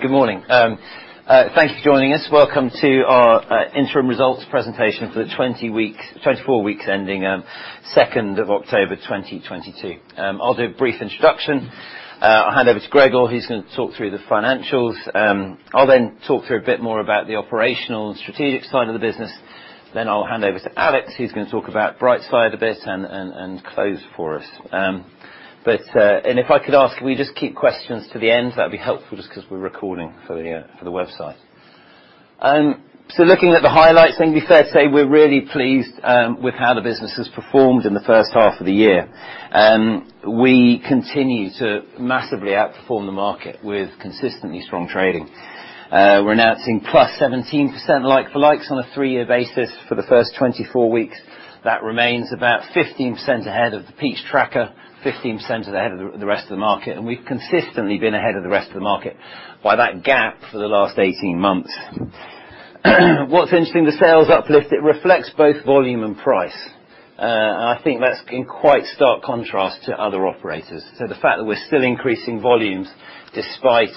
Good morning. Thank you for joining us. Welcome to our interim results presentation for the 24 weeks, ending 2nd of October 2022. I'll do a brief introduction. I'll hand over to Gregor, who's going to talk through the financials. I'll then talk through a bit more about the operational and strategic side of the business. I'll hand over to Alex, who's going to talk about Brightside a bit and close for us. If I could ask, can we just keep questions to the end? That'd be helpful just 'cause we're recording for the website. Looking at the highlights, let me first say we're really pleased with how the business has performed in the first half of the year. We continue to massively outperform the market with consistently strong trading. We're announcing +17% like-for-likes on a three-year basis for the first 24 weeks. That remains about 15% ahead of the Peach Tracker, 15% ahead of the rest of the market, and we've consistently been ahead of the rest of the market by that gap for the last 18 months. What's interesting, the sales uplift, it reflects both volume and price. I think that's in quite stark contrast to other operators. The fact that we're still increasing volumes despite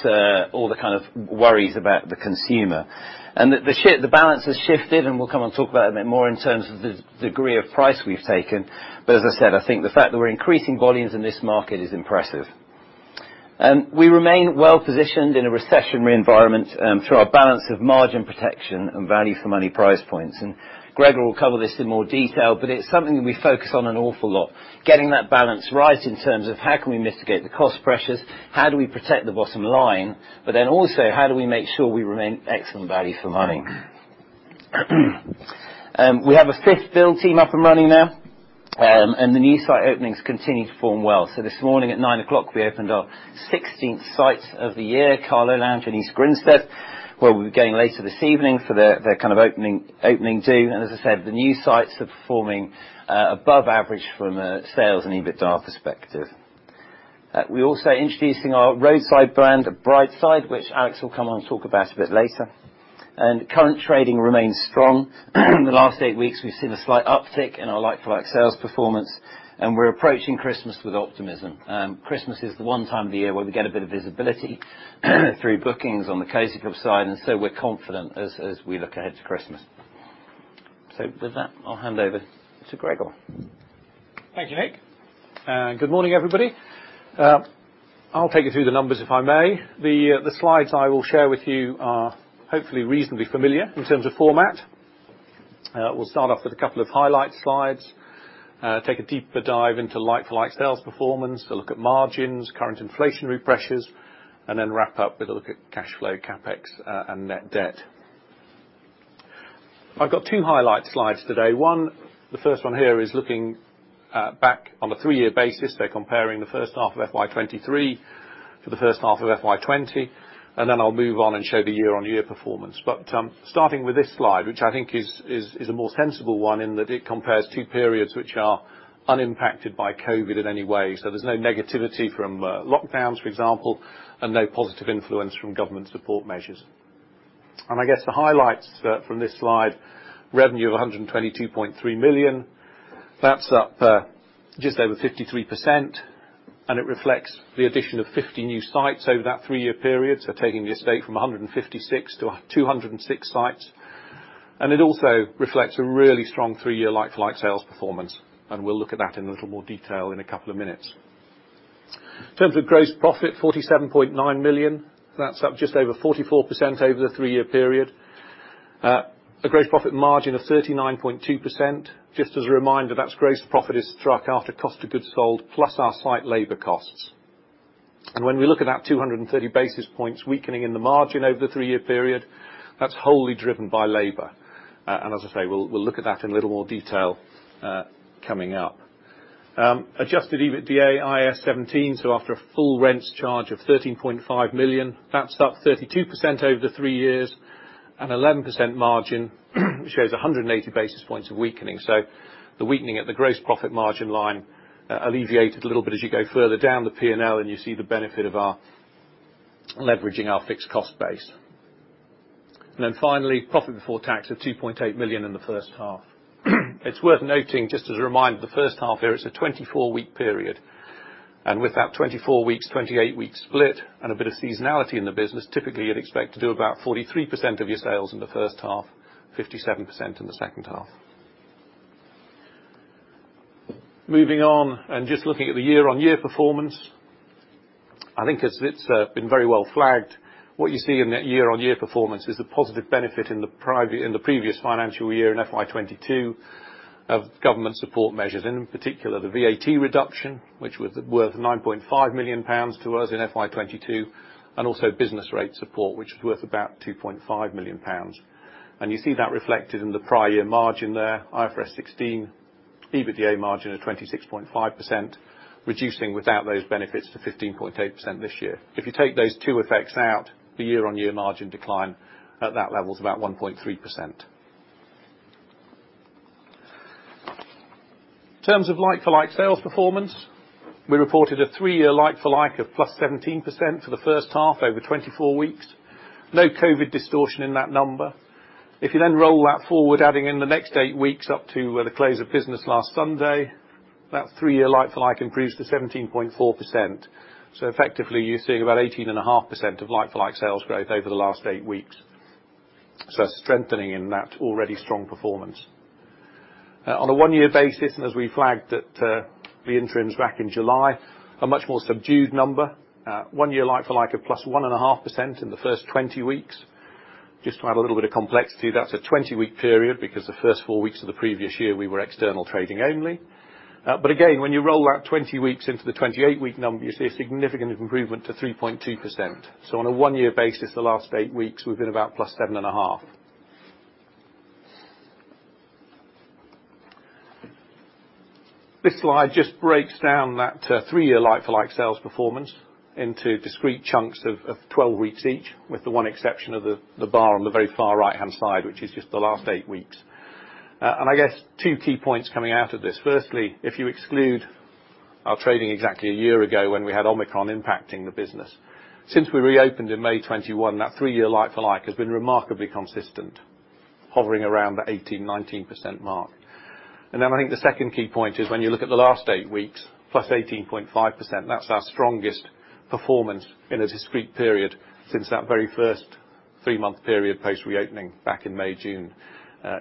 all the kind of worries about the consumer and that the balance has shifted. We'll come and talk about it a bit more in terms of the degree of price we've taken. As I said, I think the fact that we're increasing volumes in this market is impressive. We remain well positioned in a recessionary environment through our balance of margin protection and value for money price points. Gregor will cover this in more detail, but it's something that we focus on an awful lot. Getting that balance right in terms of how can we mitigate the cost pressures, how do we protect the bottom line, but then also how do we make sure we remain excellent value for money? We have a fifth build team up and running now, and the new site openings continue to perform well. This morning at 9:00 A.M., we opened our 16th site of the year, Carlo Lounge in East Grinstead, where we'll be going later this evening for the kind of opening do. As I said, the new sites are performing above average from a sales and EBITDA perspective. We're also introducing our roadside brand, Brightside, which Alex will come on and talk about a bit later. Current trading remains strong. The last eight weeks we've seen a slight uptick in our like-for-like sales performance, and we're approaching Christmas with optimism. Christmas is the one time of the year where we get a bit of visibility through bookings on the catering side, we're confident as we look ahead to Christmas. With that, I'll hand over to Gregor. Thank you, Nick. Good morning, everybody. I'll take you through the numbers, if I may. The slides I will share with you are hopefully reasonably familiar in terms of format. We'll start off with a couple of highlight slides, take a deeper dive into like-for-like sales performance. We'll look at margins, current inflationary pressures, and then wrap up with a look at cash flow, CapEx, and net debt. I've got two highlight slides today. One, the first one here is looking back on a three-year basis. They're comparing the first half of FY23 for the first half of FY 2020, and then I'll move on and show the year-on-year performance. Starting with this slide, which I think is a more sensible one in that it compares two periods, which are unimpacted by COVID in any way. There's no negativity from lockdowns, for example, and no positive influence from government support measures. I guess the highlights from this slide, revenue of 122.3 million, that's up just over 53%, and it reflects the addition of 50 new sites over that three-year period. Taking the estate from 156 to 206 sites, and it also reflects a really strong three-year like-for-like sales performance, and we'll look at that in a little more detail in couple of minutes. In terms of gross profit, 47.9 million. That's up just over 44% over the three-year period. A gross profit margin of 39.2%. Just as a reminder, that's gross profit is struck after cost of goods sold, plus our site labor costs. When we look at that 230 basis points weakening in the margin over the three-year period, that's wholly driven by labor. As I say, we'll look at that in a little more detail coming up. Adjusted EBITDA IAS 17, so after a full rents charge of 13.5 million, that's up 32% over the three years and 11% margin, which shows 180 basis points of weakening. The weakening at the gross profit margin line alleviated a little bit as you go further down the P&L and you see the benefit of our leveraging our fixed cost base. Finally, profit before tax of 2.8 million in the first half. It's worth noting, just as a reminder, the first half here is a 24-week period. With that 24 weeks, 28-week split and a bit of seasonality in the business, typically, you'd expect to do about 43% of your sales in the first half, 57% in the second half. Moving on and just looking at the year-on-year performance, I think as it's been very well flagged, what you see in that year-on-year performance is the positive benefit in the previous financial year, in FY 2022 of government support measures. In particular, the VAT reduction, which was worth 9.5 million pounds to us in FY 2022. Also business rate support, which is worth about 2.5 million pounds. You see that reflected in the prior year margin there, IFRS 16 EBITDA margin of 26.5%, reducing without those benefits to 15.8% this year. If you take those two effects out, the year-on-year margin decline at that level is about 1.3%. In terms of like for like sales performance, we reported a three-year like for like of +17% for the first half over 24 weeks. No COVID distortion in that number. If you then roll that forward, adding in the next eight weeks up to the close of business last Sunday. That three-year like for like improves to 17.4%. Effectively, you're seeing about 18.5% of like for like sales growth over the last eight weeks. Strengthening in that already strong performance. On a one-year basis, and as we flagged at the interims back in July, a much more subdued number. One year like for like of +1.5% in the first 20 weeks. Just to add a little bit of complexity, that's a 20-week period because the first four weeks of the previous year, we were external trading only. But again, when you roll that 20 weeks into the 28-week number, you see a significant improvement to 3.2%. So on a one-year basis, the last 8 weeks, we've been about +7.5. This slide just breaks down that three-year like for like sales performance into discrete chunks of 12 weeks each, with the one exception of the bar on the very far right-hand side, which is just the last eight weeks. I guess two key points coming out of this. Firstly, if you exclude our trading exactly a year ago when we had Omicron impacting the business, since we reopened in May 2021, that three-year like for like has been remarkably consistent, hovering around the 18%, 19% mark. Then I think the second key point is when you look at the last eight weeks, +18.5%, that's our strongest performance in a discrete period since that very first three-month period post reopening back in May/June,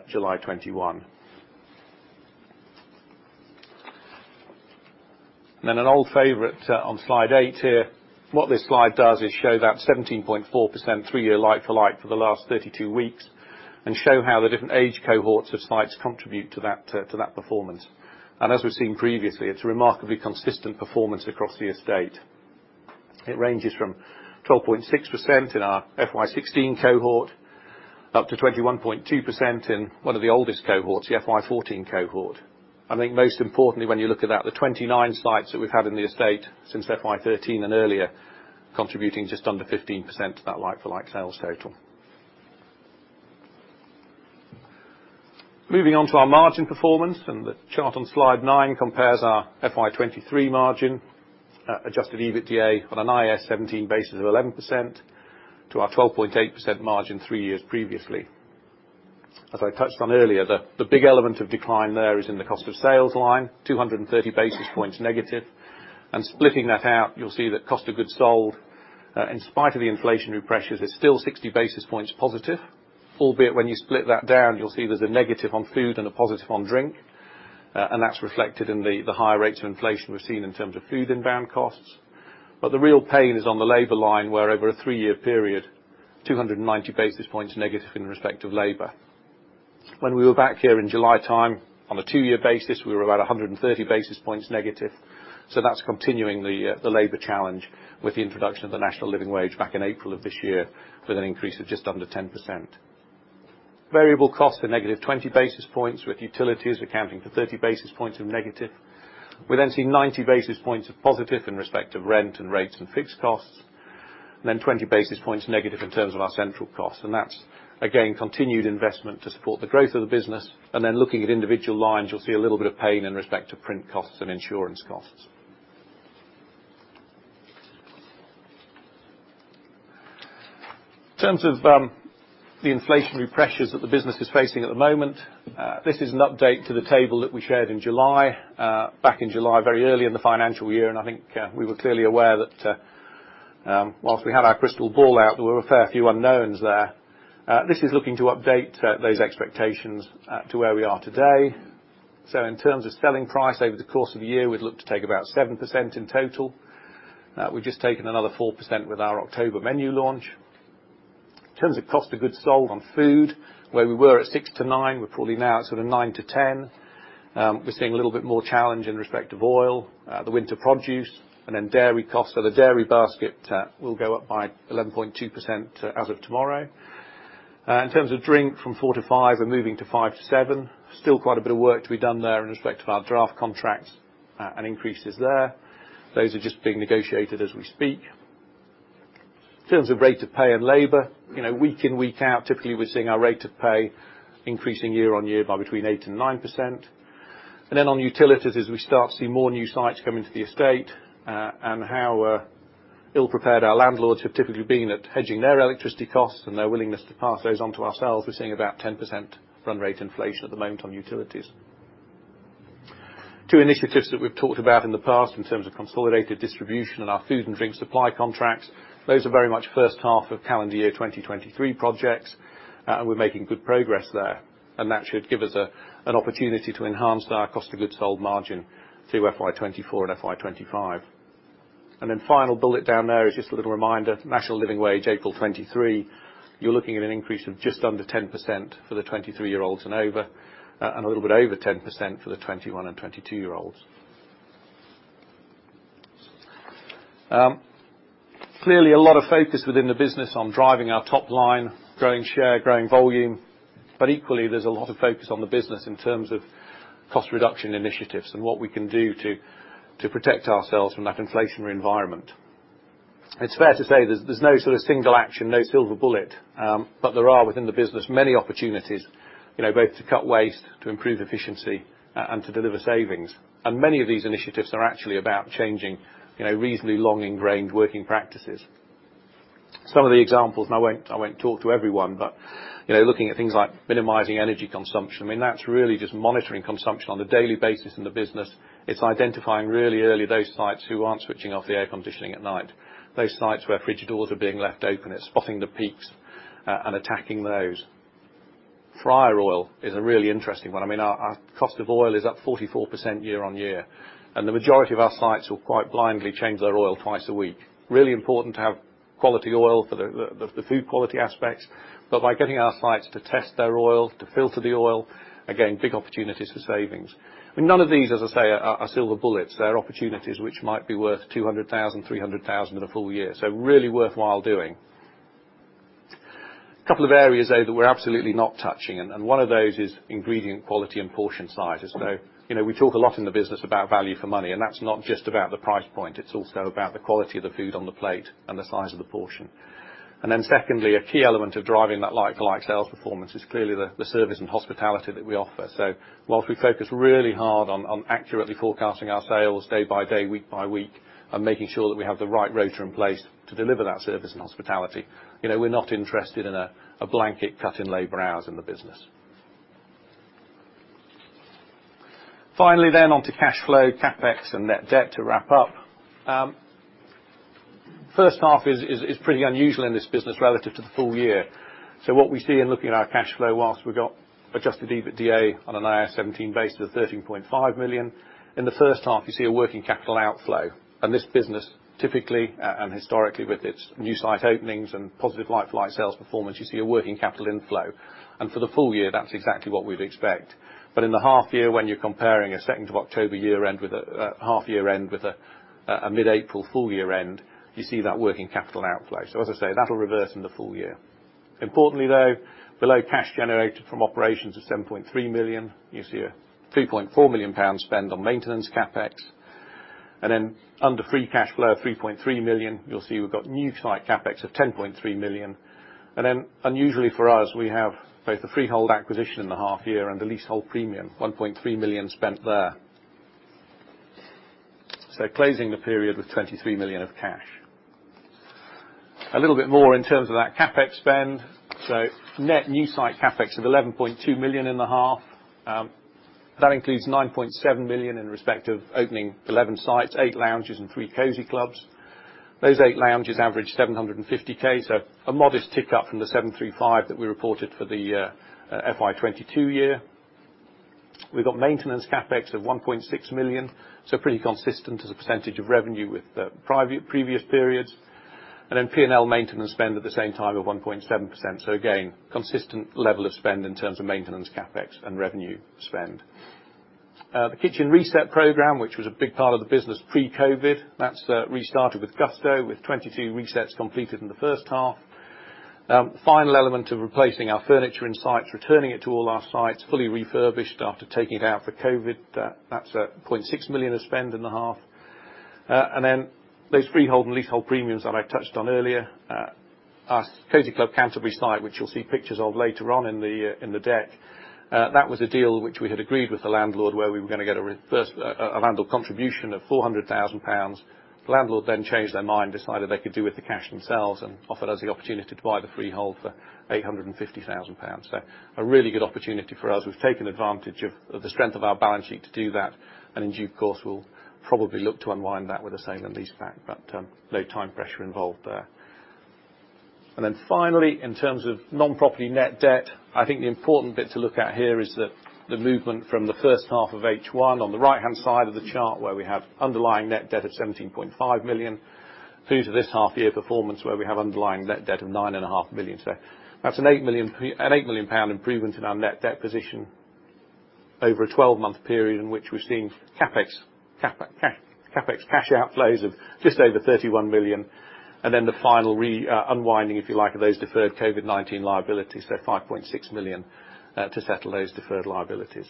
July 2021. An old favorite, on slide eight here. What this slide does is show that 17.4% three-year like for like for the last 32 weeks and show how the different age cohorts of sites contribute to that performance. As we've seen previously, it's remarkably consistent performance across the estate. It ranges from 12.6% in our FY 2016 cohort, up to 21.2% in one of the oldest cohorts, the FY 2014 cohort. I think most importantly, when you look at that, the 29 sites that we've had in the estate since FY 2013 and earlier, contributing just under 15% to that like for like sales total. Moving on to our margin performance, the chart on slide nine compares our FY 2023 margin, adjusted EBITDA on an IAS 17 basis of 11% to our 12.8% margin three years previously. As I touched on earlier, the big element of decline there is in the cost of sales line, 230 basis points negative. Splitting that out, you'll see that cost of goods sold, in spite of the inflationary pressures, is still 60 basis points positive. Albeit, when you split that down, you'll see there's a negative on food and a positive on drink, and that's reflected in the higher rates of inflation we've seen in terms of food inbound costs. The real pain is on the labor line, where over a three-year period, 290 basis points negative in respect of labor. When we were back here in July time, on a two-year basis, we were about 130 basis points negative. That's continuing the labor challenge with the introduction of the National Living Wage back in April of this year, with an increase of just under 10%. Variable costs are negative 20 basis points, with utilities accounting for 30 basis points of negative. We see 90 basis points of positive in respect of rent and rates and fixed costs, then 20 basis points negative in terms of our central costs. That's, again, continued investment to support the growth of the business. Looking at individual lines, you'll see a little bit of pain in respect to print costs and insurance costs. In terms of the inflationary pressures that the business is facing at the moment, this is an update to the table that we shared in July. Back in July, very early in the financial year, I think, we were clearly aware that, whilst we had our crystal ball out, there were a fair few unknowns there. This is looking to update those expectations to where we are today. In terms of selling price over the course of the year, we'd look to take about 7% in total. We've just taken another 4% with our October menu launch. In terms of cost of goods sold on food, where we were at 6% to 9%, we're probably now sort of 9% to 10%. We're seeing a little bit more challenge in respect of oil, the winter produce, and then dairy costs. The dairy basket will go up by 11.2% as of tomorrow. In terms of drink from 4% to 5% and moving to 5% to 7%, still quite a bit of work to be done there in respect of our draft contracts and increases there. Those are just being negotiated as we speak. In terms of rate of pay and labor, you know, week in, week out, typically, we're seeing our rate of pay increasing year-on-year by between 8% and 9%. On utilities, as we start to see more new sites come into the estate, and how ill-prepared our landlords have typically been at hedging their electricity costs and their willingness to pass those on to ourselves, we're seeing about 10% run rate inflation at the moment on utilities. Two initiatives that we've talked about in the past in terms of consolidated distribution and our food and drink supply contracts, those are very much first half of calendar year 2023 projects, and we're making good progress there. That should give us an opportunity to enhance our cost of goods sold margin through FY 2024 and FY 2025. Final bullet down there is just a little reminder, National Living Wage, April 2023. You're looking at an increase of just under 10% for the 23-year-olds and over, and a little bit over 10% for the 21 and 22-year-olds. Clearly a lot of focus within the business on driving our top line, growing share, growing volume, but equally, there's a lot of focus on the business in terms of cost reduction initiatives and what we can do to protect ourselves from that inflationary environment. It's fair to say there's no sort of single action, no silver bullet, but there are, within the business, many opportunities, you know, both to cut waste, to improve efficiency, and to deliver savings. Many of these initiatives are actually about changing, you know, reasonably long-ingrained working practices. Some of the examples, and I won't, I won't talk to every one, but, you know, looking at things like minimizing energy consumption. I mean, that's really just monitoring consumption on a daily basis in the business. It's identifying really early those sites who aren't switching off the air conditioning at night. Those sites where fridge doors are being left open. It's spotting the peaks and attacking those. Fryer oil is a really interesting one. I mean, our cost of oil is up 44% year-on-year, and the majority of our sites will quite blindly change their oil twice a week. Really important to have quality oil for the, the food quality aspects. By getting our sites to test their oil, to filter the oil, again, big opportunities for savings. I mean, none of these, as I say, are silver bullets. There are opportunities which might be worth 200,000, 300,000 in a full year, so really worthwhile doing. Couple of areas, though, that we're absolutely not touching, and one of those is ingredient quality and portion sizes. You know, we talk a lot in the business about value for money, and that's not just about the price point, it's also about the quality of the food on the plate and the size of the portion. Secondly, a key element of driving that like-for-like sales performance is clearly the service and hospitality that we offer. Whilst we focus really hard on accurately forecasting our sales day by day, week by week, and making sure that we have the right rota in place to deliver that service and hospitality, you know, we're not interested in a blanket cut in labor hours in the business. Finally, on to cash flow, CapEx and net debt to wrap up. First half is pretty unusual in this business relative to the full year. What we see in looking at our cash flow, whilst we've got adjusted EBITDA on an IAS 17 base of 13.5 million, in the first half, you see a working capital outflow. This business typically, and historically with its new site openings and positive like-for-like sales performance, you see a working capital inflow, and for the full year, that's exactly what we'd expect. In the half year, when you're comparing a 2nd of October year end with a half year end with a mid-April full year end, you see that working capital outflow. As I say, that'll reverse in the full year. Importantly though, below cash generated from operations of 7.3 million, you see a 3.4 million pounds spend on maintenance CapEx. Under free cash flow of 3.3 million, you'll see we've got new site CapEx of 10.3 million. Unusually for us, we have both the freehold acquisition in the half year and the leasehold premium, 1.3 million spent there. Closing the period with 23 million of cash. A little bit more in terms of that CapEx spend. Net new site CapEx of 11.2 million in the half. That includes 9.7 million in respect of opening 11 sites, eight Lounges and three Cosy Clubs. Those eight Lounges average 750K, so a modest tick up from the 735 that we reported for the FY 2022 year. We've got maintenance CapEx of 1.6 million, so pretty consistent as a percentage of revenue with the previous periods. P&L maintenance spend at the same time of 1.7%. Again, consistent level of spend in terms of maintenance CapEx and revenue spend. The kitchen reset program, which was a big part of the business pre-COVID, that's restarted with gusto, with 22 resets completed in the first half. Final element of replacing our furniture in sites, returning it to all our sites, fully refurbished after taking it out for COVID, that's at 0.6 million of spend in the half. Those freehold and leasehold premiums that I touched on earlier, our Cosy Club Canterbury site, which you'll see pictures of later on in the deck, that was a deal which we had agreed with the landlord, where we were gonna get a landlord contribution of 400,000 pounds. The landlord then changed their mind, decided they could do with the cash themselves, and offered us the opportunity to buy the freehold for 850,000 pounds. A really good opportunity for us. We've taken advantage of the strength of our balance sheet to do that, and in due course, we'll probably look to unwind that with the same leaseback, but no time pressure involved there. Finally, in terms of non-property net debt, I think the important bit to look at here is the movement from the first half of H1 on the right-hand side of the chart where we have underlying net debt of 17.5 million, through to this half year performance where we have underlying net debt of 9.5 million. That's an 8 million pound improvement in our net debt position over a 12-month period in which we've seen CapEx cash outflows of just over 31 million. The final unwinding, if you like, of those deferred COVID-19 liabilities, 5.6 million to settle those deferred liabilities.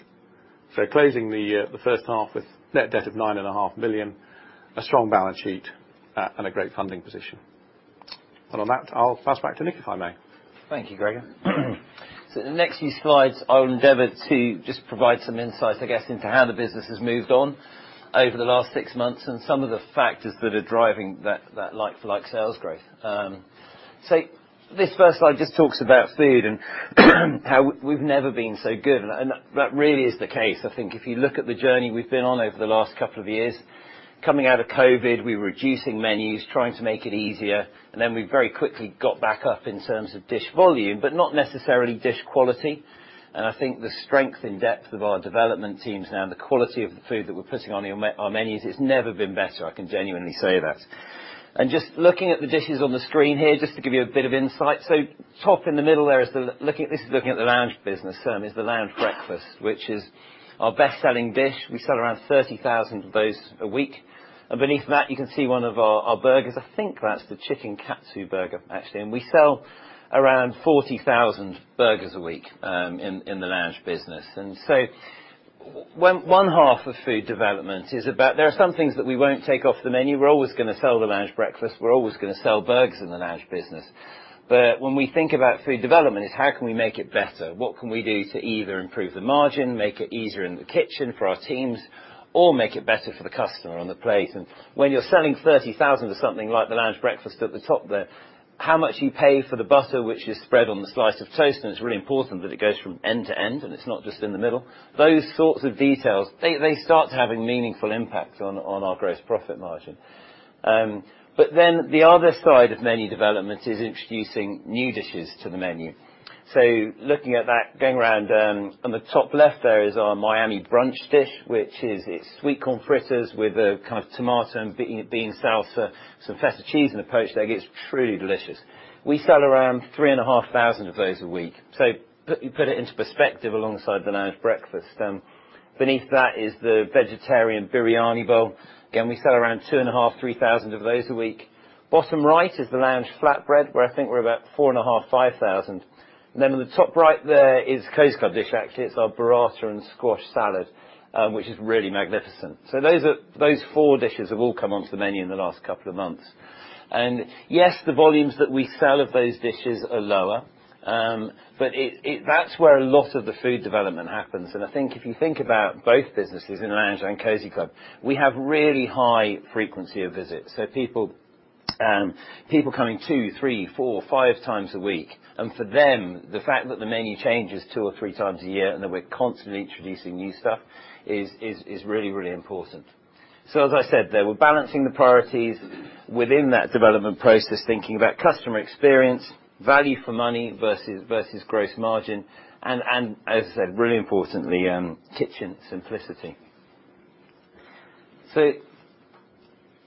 Closing the first half with net debt of nine and a half million GBP, a strong balance sheet, and a great funding position. On that, I'll pass back to Nick, if I may. Thank you, Gregor. The next few slides, I will endeavor to just provide some insights, I guess, into how the business has moved on over the last 6 months and some of the factors that are driving that like-for-like sales growth. This first slide just talks about food and how we've never been so good and that really is the case. I think if you look at the journey we've been on over the last couple of years, coming out of COVID, we were reducing menus, trying to make it easier, and then we very quickly got back up in terms of dish volume, but not necessarily dish quality. I think the strength and depth of our development teams now and the quality of the food that we're putting on our menus, it's never been better. I can genuinely say that. Just looking at the dishes on the screen here, just to give you a bit of insight. Top in the middle there is the Lounge business, certainly, is the Lounge breakfast, which is our best-selling dish. We sell around 30,000 of those a week. Beneath that, you can see one of our burgers. I think that's the chicken katsu burger, actually. We sell around 40,000 burgers a week in the Lounge business. One half of food development is about, there are some things that we won't take off the menu. We're always gonna sell the Lounge breakfast. We're always gonna sell burgers in the Lounge business. When we think about food development is how can we make it better? What can we do to either improve the margin, make it easier in the kitchen for our teams, or make it better for the customer on the plate? When you're selling 30,000 of something like the Lounge Breakfast at the top there, how much you pay for the butter which is spread on the slice of toast, and it's really important that it goes from end to end, and it's not just in the middle. Those sorts of details, they start to have a meaningful impact on our gross profit margin. The other side of menu development is introducing new dishes to the menu. Looking at that, going around, on the top left there is our Miami brunch dish, which is sweet corn fritters with a kind of tomato and bean salsa, some feta cheese, and a poached egg. It's truly delicious. We sell around 3,500 of those a week. Put it into perspective alongside the Lounge breakfast. Beneath that is the vegetarian biryani bowl. Again, we sell around 2,500 to 3,000 of those a week. Bottom right is the Lounge flatbread, where I think we're about 4,500 to 5,000. On the top right there is Cosy Club dish. Actually, it's our burrata and squash salad, which is really magnificent. Those four dishes have all come onto the menu in the last couple of months. Yes, the volumes that we sell of those dishes are lower, but it that's where a lot of the food development happens. I think if you think about both businesses in Lounge and Cosy Club, we have really high frequency of visits. People coming two, three, four, five times a week. For them, the fact that the menu changes two or three times a year and that we're constantly introducing new stuff is really, really important. As I said, they were balancing the priorities within that development process, thinking about customer experience, value for money versus gross margin, and as I said, really importantly, kitchen simplicity.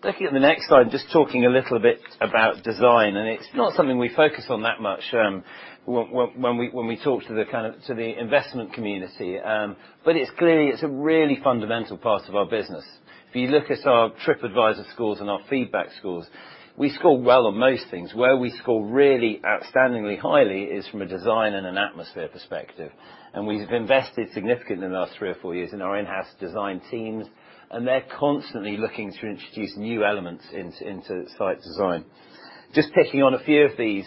Looking at the next slide, just talking a little bit about design, it's not something we focus on that much when we talk to the kind of, to the investment community, but it's clearly, it's a really fundamental part of our business. If you look at our TripAdvisor scores and our feedback scores, we score well on most things. Where we score really outstandingly highly is from a design and an atmosphere perspective. We've invested significantly in the last three or four years in our in-house design teams, and they're constantly looking to introduce new elements into site design. Just picking on a few of these,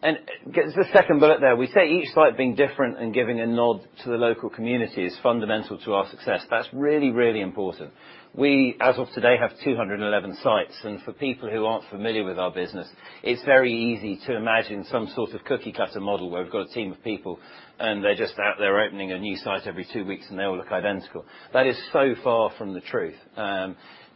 and get the second bullet there. We say each site being different and giving a nod to the local community is fundamental to our success. That's really, really important. We, as of today, have 211 sites, and for people who aren't familiar with our business, it's very easy to imagine some sort of cookie-cutter model where we've got a team of people, and they're just out there opening a new site every two weeks, and they all look identical. That is so far from the truth.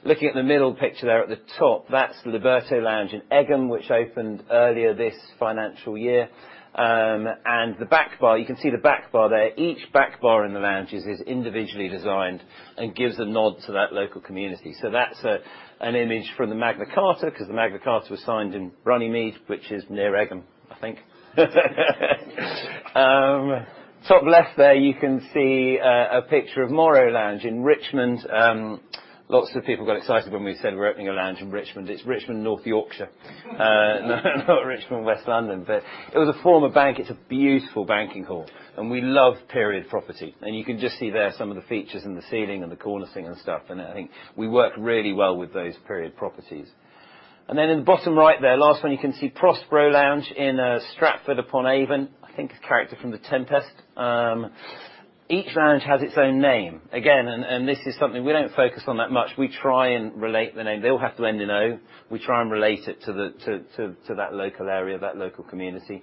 Looking at the middle picture there at the top, that's the Liberto Lounge in Egham, which opened earlier this financial year. The back bar, you can see the back bar there. Each back bar in the lounges is individually designed and gives a nod to that local community. That's an image from the Magna Carta 'cause the Magna Carta was signed in Runnymede, which is near Egham, I think. Top left there, you can see a picture of Moro Lounge in Richmond. Lots of people got excited when we said we're opening a lounge in Richmond. It's Richmond, North Yorkshire, not Richmond, West London. It was a former bank. It's a beautiful banking hall, and we love period property. You can just see there some of the features in the ceiling and the cornicing and stuff. I think we work really well with those period properties. In the bottom right there, last one, you can see Prospero Lounge in Stratford-upon-Avon. I think it's a character from The Tempest. Each lounge has its own name. Again, and this is something we don't focus on that much. We try and relate the name. They all have to end in O. We try and relate it to the local area, that local community.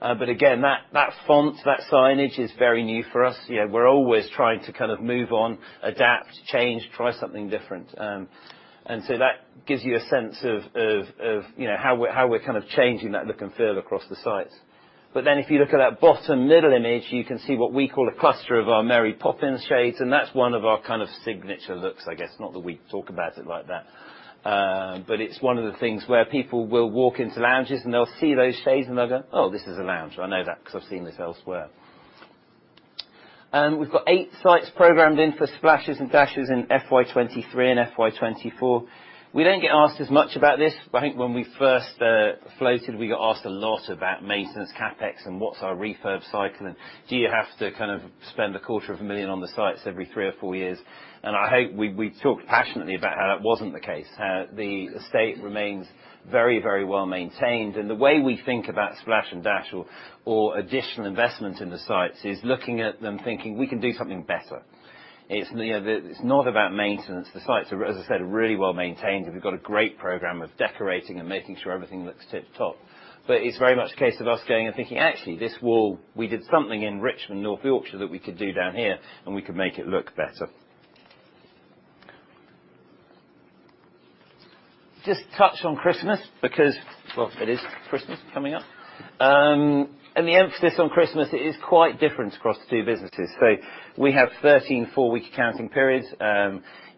Again, that font, that signage is very new for us. You know, we're always trying to kind of move on, adapt, change, try something different. That gives you a sense of, you know, how we're kind of changing that look and feel across the sites. If you look at that bottom middle image, you can see what we call a cluster of our Mary Poppins shades, and that's one of our kind of signature looks, I guess. Not that we talk about it like that. It's one of the things where people will walk into Lounges, and they'll see those shades, and they'll go, "Oh, this is a Lounge. I know that 'cause I've seen this elsewhere." We've got eight sites programmed in for splashes and dashes in FY 2023 and FY 2024. We don't get asked as much about this. I think when we first floated, we got asked a lot about maintenance, CapEx, and what's our refurb cycle, and do you have to kind of spend a quarter of a million on the sites every three or four years? I hope we talked passionately about how that wasn't the case, how the estate remains very, very well-maintained. The way we think about splash and dash or additional investment in the sites is looking at them, thinking, "We can do something better." It's, you know, it's not about maintenance. The sites are, as I said, are really well-maintained, and we've got a great program of decorating and making sure everything looks tip-top. It's very much a case of us going and thinking, "Actually, this wall, we did something in Richmond, North Yorkshire that we could do down here, and we could make it look better." Just touch on Christmas because, well, it is Christmas coming up. The emphasis on Christmas is quite different across the two businesses. We have 13 four-week accounting periods.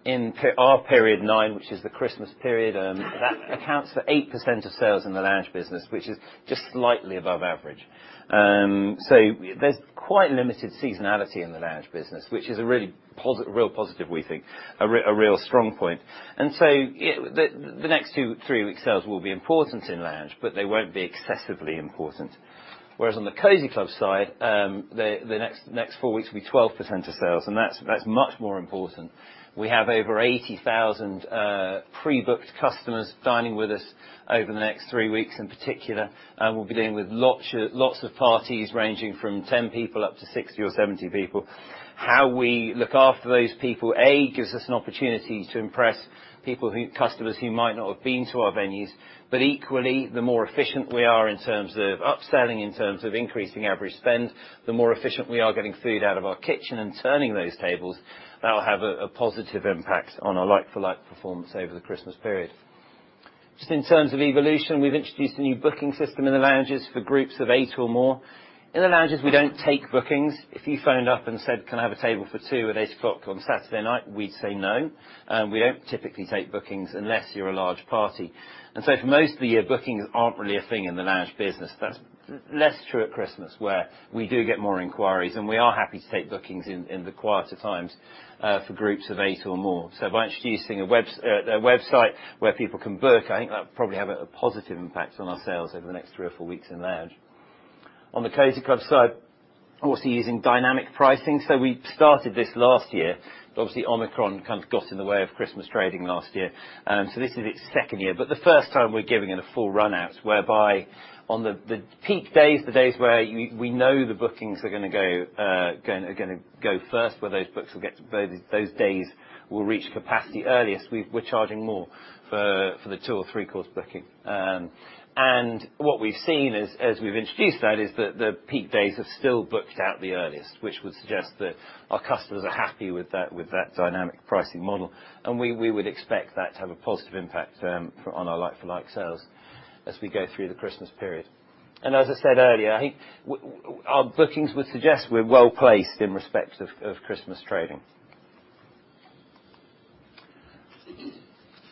In our period nine, which is the Christmas period, that accounts for 8% of sales in the Lounge business, which is just slightly above average. There's quite limited seasonality in the Lounge business, which is a really real positive, we think, a real strong point. The next two, three weeks' sales will be important in Lounge, but they won't be excessively important. On the Cosy Club side, the next four weeks will be 12% of sales. That's much more important. We have over 80,000 pre-booked customers dining with us over the next three weeks in particular. We'll be dealing with lots of parties ranging from 10 people up to 60 or 70 people. How we look after those people, A, gives us an opportunity to impress people who, customers who might not have been to our venues. Equally, the more efficient we are in terms of upselling, in terms of increasing average spend, the more efficient we are getting food out of our kitchen and turning those tables, that will have a positive impact on our like-for-like performance over the Christmas period. Just in terms of evolution, we've introduced a new booking system in the Lounges for groups of 8 or more. In the Lounges, we don't take bookings. If you phoned up and said, "Can I have a table for two at 8:00 P.M. on Saturday night?" We'd say, "No." We don't typically take bookings unless you're a large party. For most of the year, bookings aren't really a thing in the Lounge business. That's less true at Christmas, where we do get more inquiries, and we are happy to take bookings in the quieter times, for groups of eight or more. By introducing a website where people can book, I think that'll probably have a positive impact on our sales over the next three or four weeks in Lounge. On the Cosy Club side, also using dynamic pricing. We started this last year. Obviously, Omicron kind of got in the way of Christmas trading last year. This is its second year. The first time, we're giving it a full run out, whereby on the peak days, the days where we know the bookings are gonna go first, where those days will reach capacity earliest, we're charging more for the two or three course booking. What we've seen as we've introduced that is that the peak days are still booked out the earliest, which would suggest that our customers are happy with that dynamic pricing model, and we would expect that to have a positive impact on our like-for-like sales as we go through the Christmas period. As I said earlier, I think our bookings would suggest we're well-placed in respect of Christmas trading.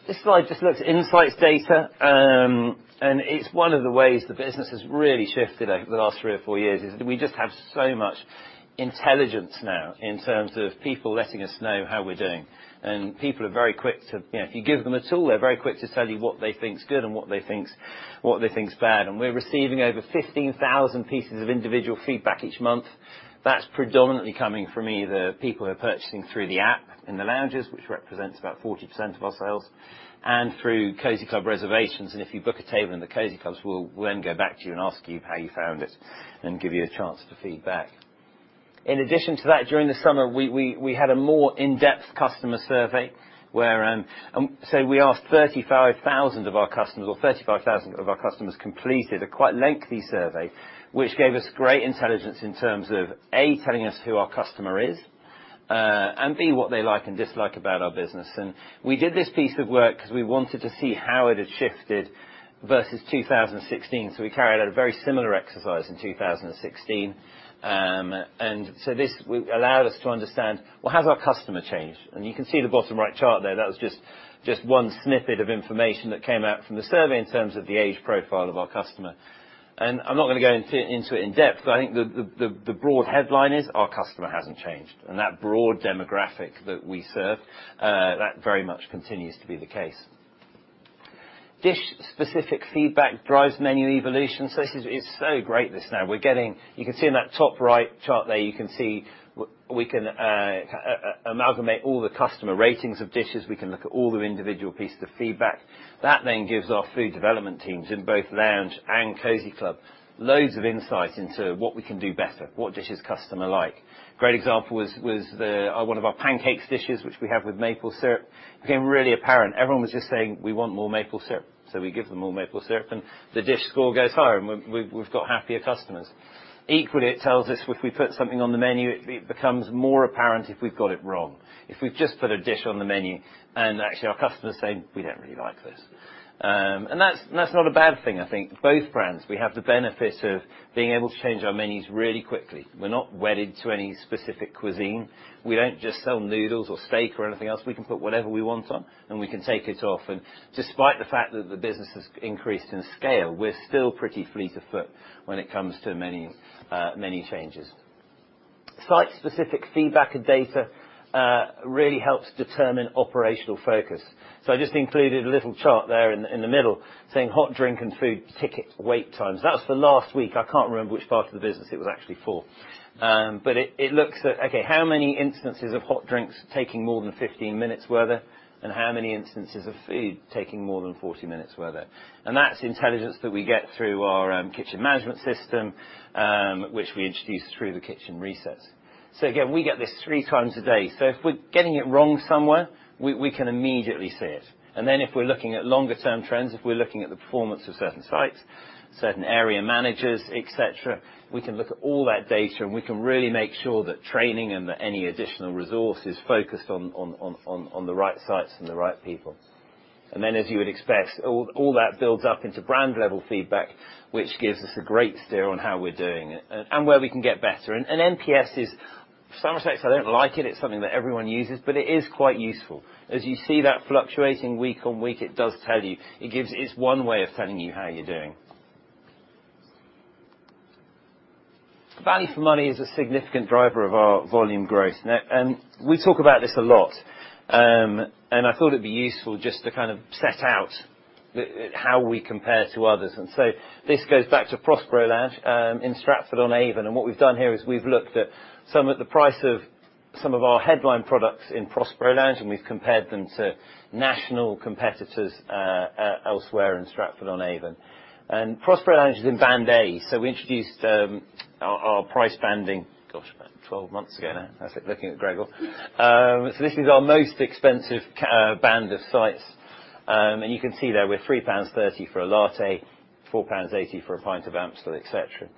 This slide just looks at insights data, and it's one of the ways the business has really shifted over the last three or four years, is we just have so much intelligence now in terms of people letting us know how we're doing. People are very quick to, you know, if you give them a tool, they're very quick to tell you what they think is good and what they think is bad. We're receiving over 15,000 pieces of individual feedback each month. That's predominantly coming from either people who are purchasing through the app in the Lounges, which represents about 40% of our sales, and through Cosy Club reservations. If you book a table in the Cosy Clubs, we'll then go back to you and ask you how you found it and give you a chance for feedback. In addition to that, during the summer, we had a more in-depth customer survey where, so we asked 35,000 of our customers, or 35,000 of our customers completed a quite lengthy survey, which gave us great intelligence in terms of, A, telling us who our customer is, and B, what they like and dislike about our business. We did this piece of work 'cause we wanted to see how it had shifted versus 2016. So we carried out a very similar exercise in 2016. This allowed us to understand, well, has our customer changed? You can see the bottom right chart there. That was just one snippet of information that came out from the survey in terms of the age profile of our customer. I'm not going to go into it in depth, but I think the broad headline is our customer hasn't changed. That broad demographic that we serve, that very much continues to be the case. Dish-specific feedback drives menu evolution. This is, it's so great this now. You can see in that top right chart there, you can see we can amalgamate all the customer ratings of dishes. We can look at all the individual pieces of feedback. That then gives our food development teams in both Lounge and Cosy Club loads of insight into what we can do better, what dishes customer like. Great example was the one of our pancakes dishes, which we have with maple syrup, became really apparent. Everyone was just saying, "We want more maple syrup." We give them more maple syrup, and the dish score goes higher, and we've got happier customers. Equally, it tells us if we put something on the menu, it becomes more apparent if we've got it wrong. If we've just put a dish on the menu and actually our customers saying, "We don't really like this." That's not a bad thing, I think. Both brands, we have the benefit of being able to change our menus really quickly. We're not wedded to any specific cuisine. We don't just sell noodles or steak or anything else. We can put whatever we want on, and we can take it off. Despite the fact that the business has increased in scale, we're still pretty fleet of foot when it comes to menus, menu changes. Site-specific feedback and data really helps determine operational focus. I just included a little chart there in the, in the middle saying hot drink and food ticket wait times. That was for last week. I can't remember which part of the business it was actually for. But it looks at, okay, how many instances of hot drinks taking more than 15 minutes were there? How many instances of food taking more than 40 minutes were there? That's intelligence that we get through our kitchen management system, which we introduced through the kitchen resets. Again, we get this three times a day. If we're getting it wrong somewhere, we can immediately see it. If we're looking at longer term trends, if we're looking at the performance of certain sites, certain area managers, et cetera, we can look at all that data, and we can really make sure that training and any additional resource is focused on the right sites and the right people. As you would expect, all that builds up into brand level feedback, which gives us a great steer on how we're doing and where we can get better. NPS is, to some extent, I don't like it's something that everyone uses, but it is quite useful. As you see that fluctuating week on week, it does tell you, it's one way of telling you how you're doing. Value for money is a significant driver of our volume growth. We talk about this a lot, I thought it'd be useful just to kind of set out the how we compare to others. This goes back to Prospero Lounge in Stratford-upon-Avon. What we've done here is we've looked at some of the price of some of our headline products in Prospero Lounge, and we've compared them to national competitors elsewhere in Stratford-upon-Avon. Prospero Lounge is in band A, we introduced our price banding, gosh, about 12 months ago now. That's it, looking at Greg. This is our most expensive band of sites. You can see there, we're 3.30 pounds for a latte, 4.80 pounds for a pint of Amstel, et cetera.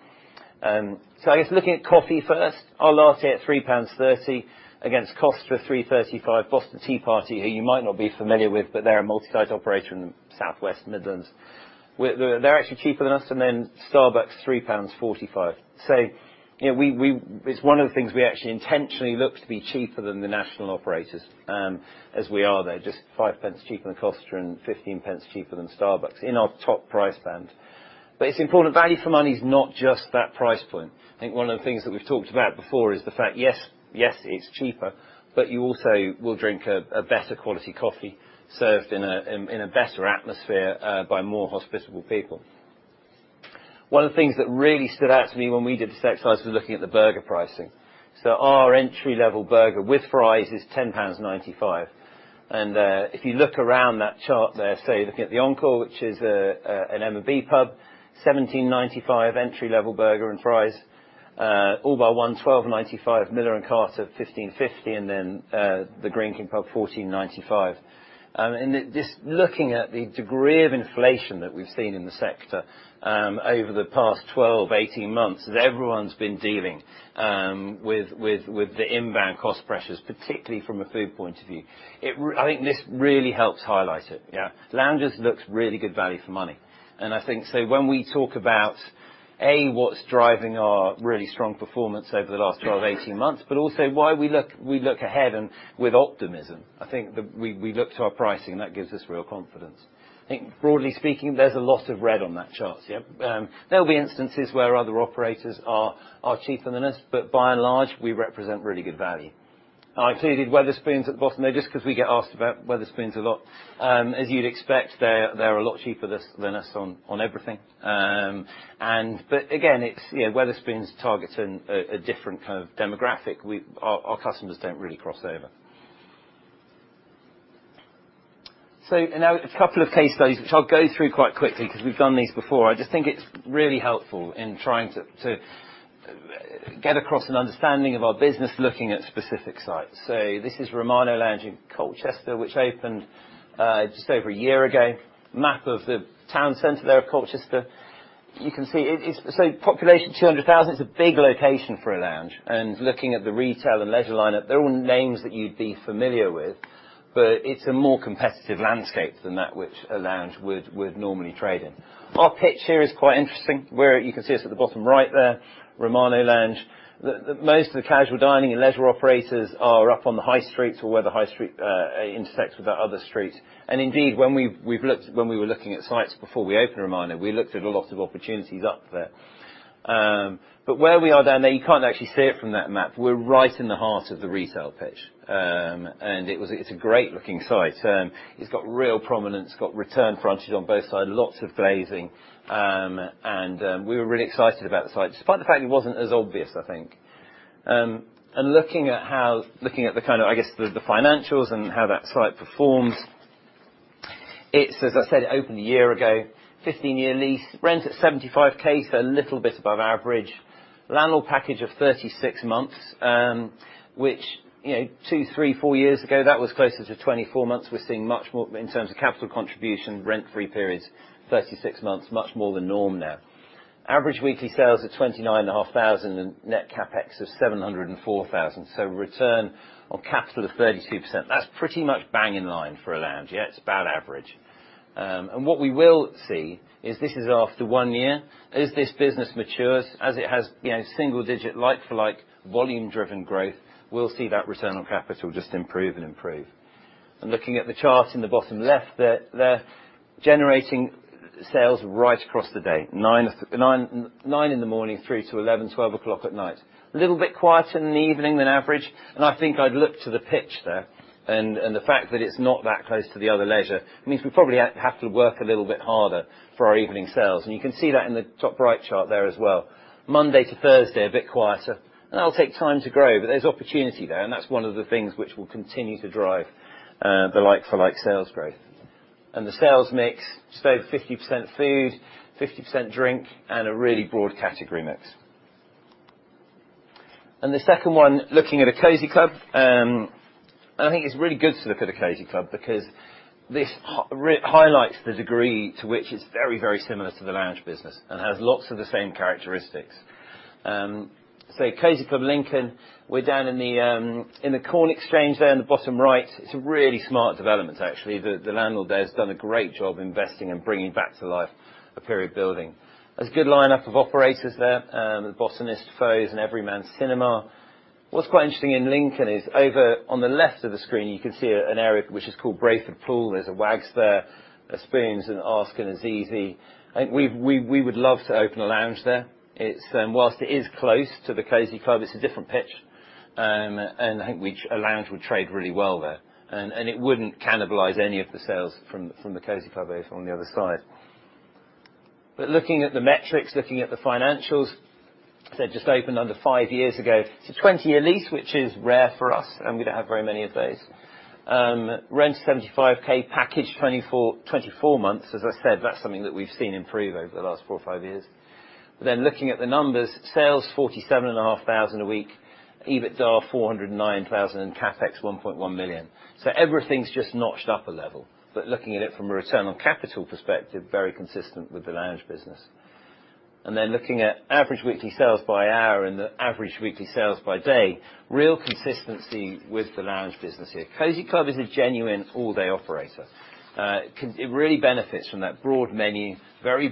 I guess looking at coffee first, our latte at 3.30 pounds against Costa 3.35. Boston Tea Party, who you might not be familiar with, they're a multi-site operator in the Southwest Midlands. They're actually cheaper than us, Starbucks, 3.45 pounds. You know, we actually intentionally look to be cheaper than the national operators, as we are there, just 5 pence cheaper than Costa and 15 pence cheaper than Starbucks in our top price band. It's important, value for money is not just that price point. I think one of the things that we've talked about before is the fact, yes, it's cheaper, you also will drink a better quality coffee served in a better atmosphere by more hospitable people. One of the things that really stood out to me when we did this exercise was looking at the burger pricing. Our entry-level burger with fries is 10.95 pounds. If you look around that chart there, say, looking at The Encore, which is an M&B pub, 17.95, entry-level burger and fries. All Bar One, 12.95, Miller & Carter, 15.50, The Greene King Pub, 14.95. Looking at the degree of inflation that we've seen in the sector, over the past 12, 18 months, as everyone's been dealing with the inbound cost pressures, particularly from a food point of view. I think this really helps highlight it. Loungers looks really good value for money. When we talk about, A, what's driving our really strong performance over the last 12, 18 months, but also why we look ahead and with optimism. I think that we look to our pricing, that gives us real confidence. I think broadly speaking, there's a lot of red on that chart, yeah. There'll be instances where other operators are cheaper than us, by and large, we represent really good value. I included Wetherspoon at the bottom there just 'cause we get asked about Wetherspoon a lot. As you'd expect, they're a lot cheaper than us on everything. Again, it's, you know, Wetherspoon's targeting a different kind of demographic. Our customers don't really cross over. Now a couple of case studies, which I'll go through quite quickly because we've done these before. I just think it's really helpful in trying to get across an understanding of our business looking at specific sites. This is Romano Lounge in Colchester, which opened just over a year ago. Map of the town center there of Colchester. You can see it's. Population 200,000, it's a big location for a Lounge. Looking at the retail and leisure line up, they're all names that you'd be familiar with, but it's a more competitive landscape than that which a Lounge would normally trade in. Our pitch here is quite interesting, where you can see us at the bottom right there, Romano Lounge. The most of the casual dining and leisure operators are up on the high street or where the high street intersects with that other street. Indeed, when we were looking at sites before we opened Romano, we looked at a lot of opportunities up there. Where we are down there, you can't actually see it from that map. We're right in the heart of the retail pitch. It's a great looking site. It's got real prominence, got return frontage on both sides, lots of glazing. We were really excited about the site, despite the fact it wasn't as obvious, I think. looking at the kind of, I guess, the financials and how that site performs, it's, as I said, it opened a year ago, 15-year lease, rent at 75K, so a little bit above average. Landlord package of 36 months, which, you know, two, three, four years ago, that was closer to 24 months. We're seeing much more in terms of capital contribution, rent-free periods, 36 months, much more the norm now. Average weekly sales of twenty-nine and a half thousand and net CapEx of 704 thousand. return on capital of 32%. That's pretty much bang in line for a Lounge, yeah. It's about average. what we will see is this is after one year. As this business matures, as it has, you know, single digit like-for-like volume-driven growth, we'll see that return on capital just improve and improve. Looking at the chart in the bottom left there, they're generating sales right across the day, nine in the morning, three to 11, 12 o'clock at night. A little bit quieter in the evening than average, I think I'd look to the pitch there and the fact that it's not that close to the other leisure. It means we probably have to work a little bit harder for our evening sales. You can see that in the top right chart there as well. Monday to Thursday, a bit quieter, and that'll take time to grow, but there's opportunity there. That's one of the things which will continue to drive the like-for-like sales growth. The sales mix, just over 50% food, 50% drink, and a really broad category mix. The second one, looking at a Cosy Club, and I think it's really good to look at a Cosy Club because this highlights the degree to which it's very, very similar to the Lounge business and has lots of the same characteristics. Cosy Club Lincoln, we're down in the Corn Exchange there in the bottom right. It's a really smart development, actually. The landlord there has done a great job investing and bringing back to life a period building. There's a good lineup of operators there. The Botanist, Pho and Everyman Cinema. What's quite interesting in Lincoln is over on the left of the screen, you can see an area which is called Brayford Pool. There's a Wags there, a Spoons, an Ask and a Zizzi. I think we would love to open a Lounge there. It's whilst it is close to the Cosy Club, it's a different pitch. I think a Lounge would trade really well there. It wouldn't cannibalize any of the sales from the Cosy Club over on the other side. Looking at the metrics, looking at the financials, they just opened under five years ago. It's a 20-year lease, which is rare for us, and we don't have very many of those. Rent 75K, package 24 months. As I said, that's something that we've seen improve over the last four or five years. Looking at the numbers, sales 47,500 a week, EBITDA 409,000 and CapEx 1.1 million. Everything's just notched up a level. Looking at it from a return on capital perspective, very consistent with the Lounge business. Looking at average weekly sales by hour and the average weekly sales by day, real consistency with the Lounge business here. Cosy Club is a genuine all-day operator. It really benefits from that broad menu, very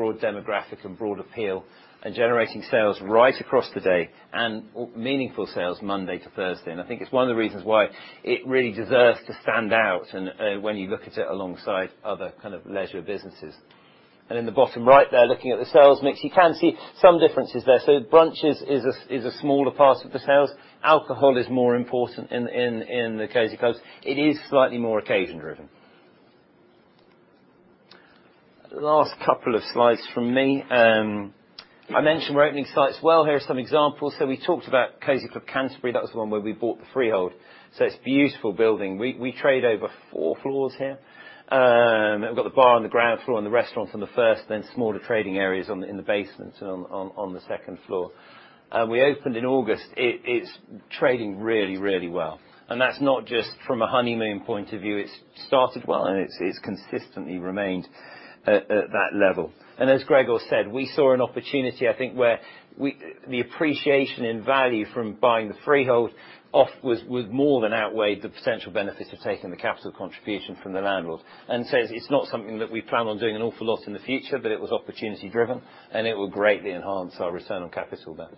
broad demographic and broad appeal, and generating sales right across the day and meaningful sales Monday to Thursday. I think it's one of the reasons why it really deserves to stand out and, when you look at it alongside other kind of leisure businesses. In the bottom right there, looking at the sales mix, you can see some differences there. Brunch is a smaller part of the sales. Alcohol is more important in the Cosy Club. It is slightly more occasion-driven. The last couple of slides from me. I mentioned we're opening sites. Here are some examples. We talked about Cosy Club Canterbury. That was the one where we bought the freehold. It's beautiful building. We trade over four floors here. We've got the bar on the ground floor and the restaurant on the 1st, then smaller trading areas in the basement on the 2nd floor. We opened in August. It's trading really well. That's not just from a honeymoon point of view. It's started well, and it's consistently remained at that level. As Gregor said, we saw an opportunity, I think, where the appreciation in value from buying the freehold off was more than outweighed the potential benefit of taking the capital contribution from the landlord. So it's not something that we plan on doing an awful lot in the future, but it was opportunity-driven, and it will greatly enhance our return on capital there.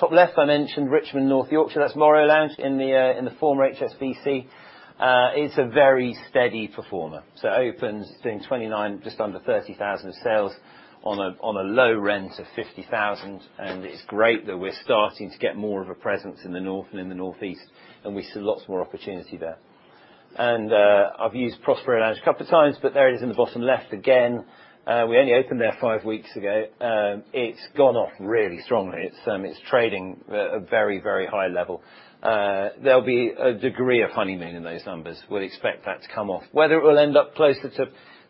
Top left, I mentioned Richmond, North Yorkshire. That's Morro Lounge in the former HSBC. It's a very steady performer. So opens, doing 29, just under 30,000 sales on a low rent of 50,000. It's great that we're starting to get more of a presence in the North and in the Northeast, and we see lots more opportunity there. I've used Prospero Lounge a couple of times, but there it is in the bottom left again. We only opened there 5 weeks ago. It's gone off really strongly. It's trading at a very, very high level. There'll be a degree of honeymoon in those numbers. We'll expect that to come off. Whether it will end up closer to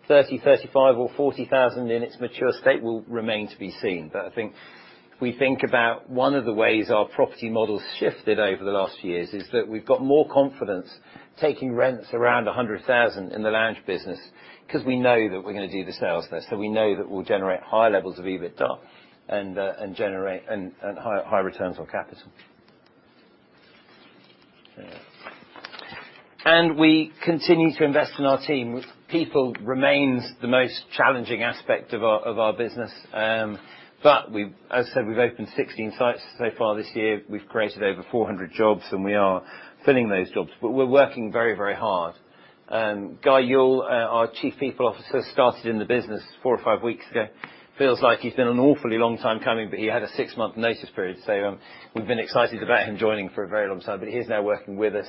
30,000, 35,000 or 40,000 in its mature state will remain to be seen. I think if we think about one of the ways our property model's shifted over the last few years is that we've got more confidence taking rents around 100,000 in the Lounge business because we know that we're gonna do the sales there. We know that we'll generate high levels of EBITDA and high returns on capital. We continue to invest in our team. People remains the most challenging aspect of our business. As I said, we've opened 16 sites so far this year. We've created over 400 jobs, and we are filling those jobs. We're working very, very hard. Guy Youll, our Chief People Officer, started in the business four or five weeks ago. Feels like he's been an awfully long time coming, but he had a six-month notice period. We've been excited about him joining for a very long time, but he is now working with us.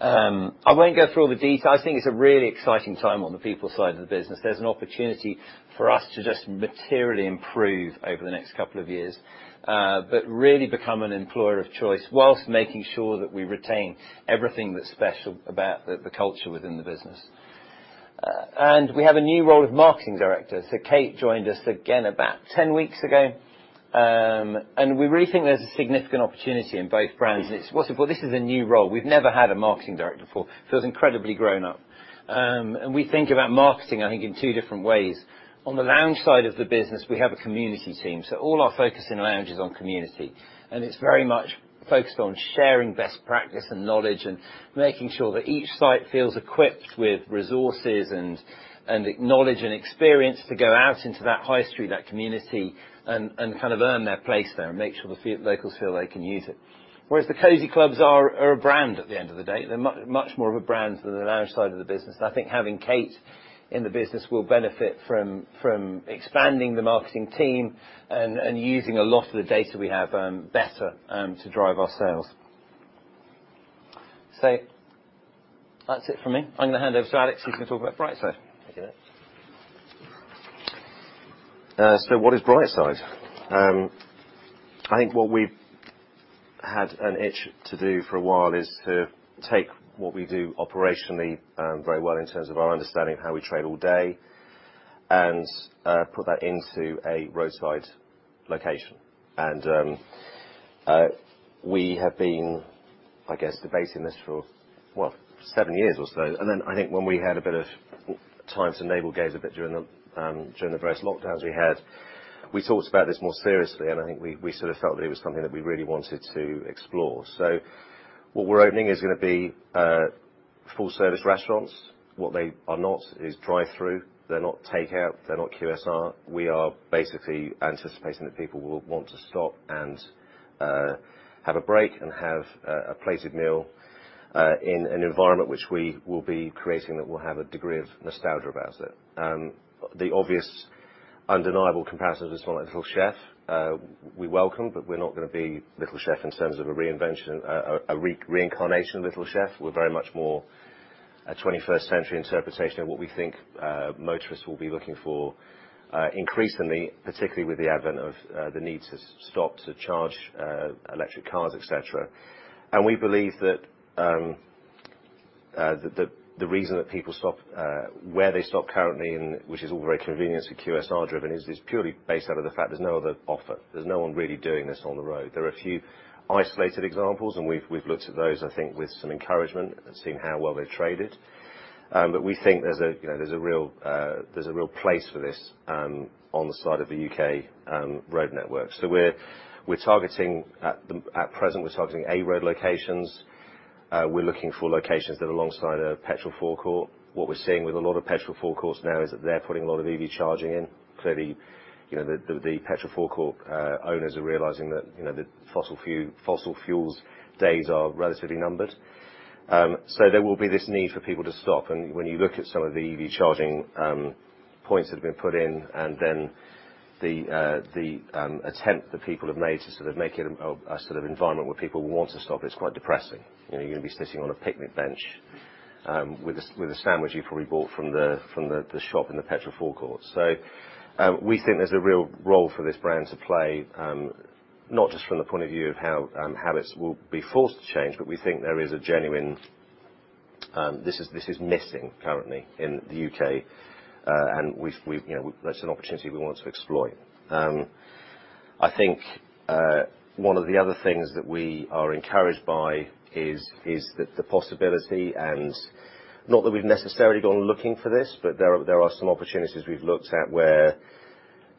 I won't go through all the details. I think it's a really exciting time on the people side of the business. There's an opportunity for us to just materially improve over the next couple of years, but really become an employer of choice whilst making sure that we retain everything that's special about the culture within the business. We have a new role of marketing director. Kate joined us, again, about 10 weeks ago. We really think there's a significant opportunity in both brands. It's worth it, but this is a new role. We've never had a marketing director before, feels incredibly grown up. We think about marketing, I think, in two different ways. On the Lounge business, we have a community team, so all our focus in Lounge is on community, and it's very much focused on sharing best practice and knowledge and making sure that each site feels equipped with resources and knowledge and experience to go out into that high street, that community, and kind of earn their place there and make sure the locals feel they can use it. Whereas the Cosy Clubs are a brand at the end of the day. They're much more of a brand than the Lounge business. I think having Kate in the business will benefit from expanding the marketing team and using a lot of the data we have better to drive our sales. That's it for me. I'm gonna hand over to Alex, who's gonna talk about Brightside. Thank you. What is Brightside? I think what we've had an itch to do for a while is to take what we do operationally, very well in terms of our understanding of how we trade all day and put that into a roadside location. We have been, I guess, debating this for, what, seven years or so. Then I think when we had a bit of time to navel gaze a bit during the various lockdowns we had, we talked about this more seriously, and I think we sort of felt that it was something that we really wanted to explore. What we're opening is gonna be full-service restaurants. What they are not is drive-through. They're not take-out, they're not QSR. We are basically anticipating that people will want to stop and have a break and have a plated meal in an environment which we will be creating that will have a degree of nostalgia about it. The obvious undeniable comparison is to Little Chef. We welcome, we're not gonna be Little Chef in terms of a reincarnation of Little Chef. We're very much more a 21st century interpretation of what we think motorists will be looking for increasingly, particularly with the advent of the need to stop to charge electric cars, et cetera. We believe that the reason that people stop where they stop currently, and which is all very convenience and QSR driven, is purely based out of the fact there's no other offer. There's no one really doing this on the road. There are a few isolated examples, and we've looked at those, I think, with some encouragement and seen how well they've traded. But we think there's a, you know, there's a real place for this on the side of the U.K. road network. At present, we're targeting A-road locations. We're looking for locations that are alongside a petrol forecourt. What we're seeing with a lot of petrol forecourts now is that they're putting a lot of EV charging in. Clearly, you know, the petrol forecourt owners are realizing that, you know, the fossil fuels' days are relatively numbered. There will be this need for people to stop, and when you look at some of the EV charging points that have been put in, and then the attempt that people have made to sort of make it a sort of environment where people will want to stop, it's quite depressing. You know, you're gonna be sitting on a picnic bench with a sandwich you've probably bought from the, from the shop in the petrol forecourt. We think there's a real role for this brand to play, not just from the point of view of how habits will be forced to change, but we think there is a genuine. This is missing currently in the U.K. We've, you know, that's an opportunity we want to explore. I think one of the other things that we are encouraged by is the possibility and not that we've necessarily gone looking for this, but there are some opportunities we've looked at where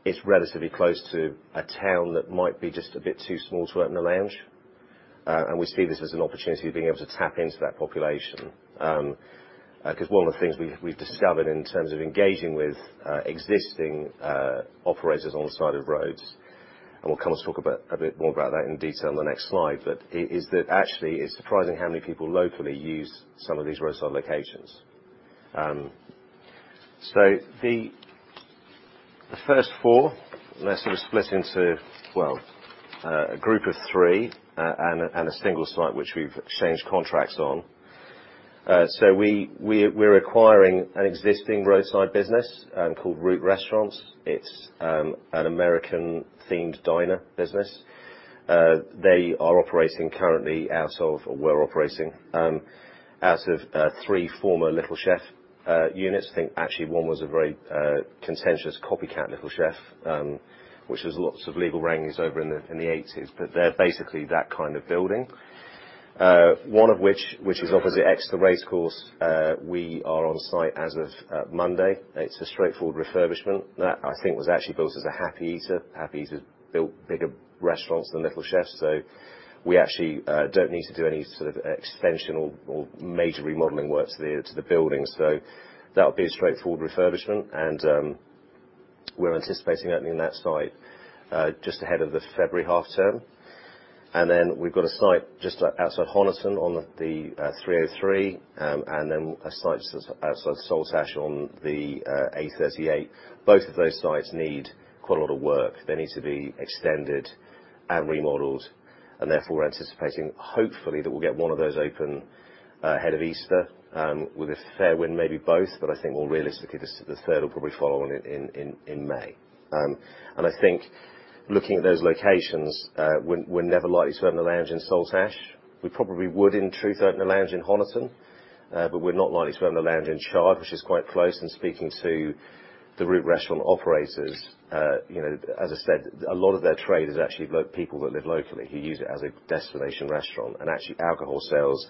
it's relatively close to a town that might be just a bit too small to open a Lounge. We see this as an opportunity of being able to tap into that population. 'Cause one of the things we've discovered in terms of engaging with existing operators on the side of roads, and we'll come and talk a bit more about that in detail in the next slide, but is that actually it's surprising how many people locally use some of these roadside locations. The first four, and they're sort of split into, well, a group of three, and a single site which we've exchanged contracts on. We're acquiring an existing roadside business, called Route Restaurants. It's an American-themed diner business. They are operating currently out of, or were operating, out of three former Little Chef units. Think actually one was a very contentious copycat Little Chef, which there was lots of legal wrangles over in the '80s. They're basically that kind of building. One of which is opposite Exeter Racecourse, we are on site as of Monday. It's a straightforward refurbishment. That, I think, was actually built as a Happy Eater. Happy Eater's built bigger restaurants than Little Chef, we actually don't need to do any sort of extension or major remodeling work to the building. That'll be a straightforward refurbishment and we're anticipating opening that site just ahead of the February half term. We've got a site just outside Honiton on the A303 and then a site outside Saltash on the A38. Both of those sites need quite a lot of work. They need to be extended and remodeled, therefore we're anticipating hopefully that we'll get one of those open ahead of Easter, with a fair wind, maybe both, but I think more realistically, the third will probably follow on in May. I think looking at those locations, we're never likely to open a Lounge in Saltash. We probably would, in truth, open a Lounge in Honiton. We're not likely to open a Lounge in Chard, which is quite close. Speaking to the Route Restaurant operators, you know, as I said, a lot of their trade is actually people that live locally who use it as a destination restaurant. Actually, alcohol sales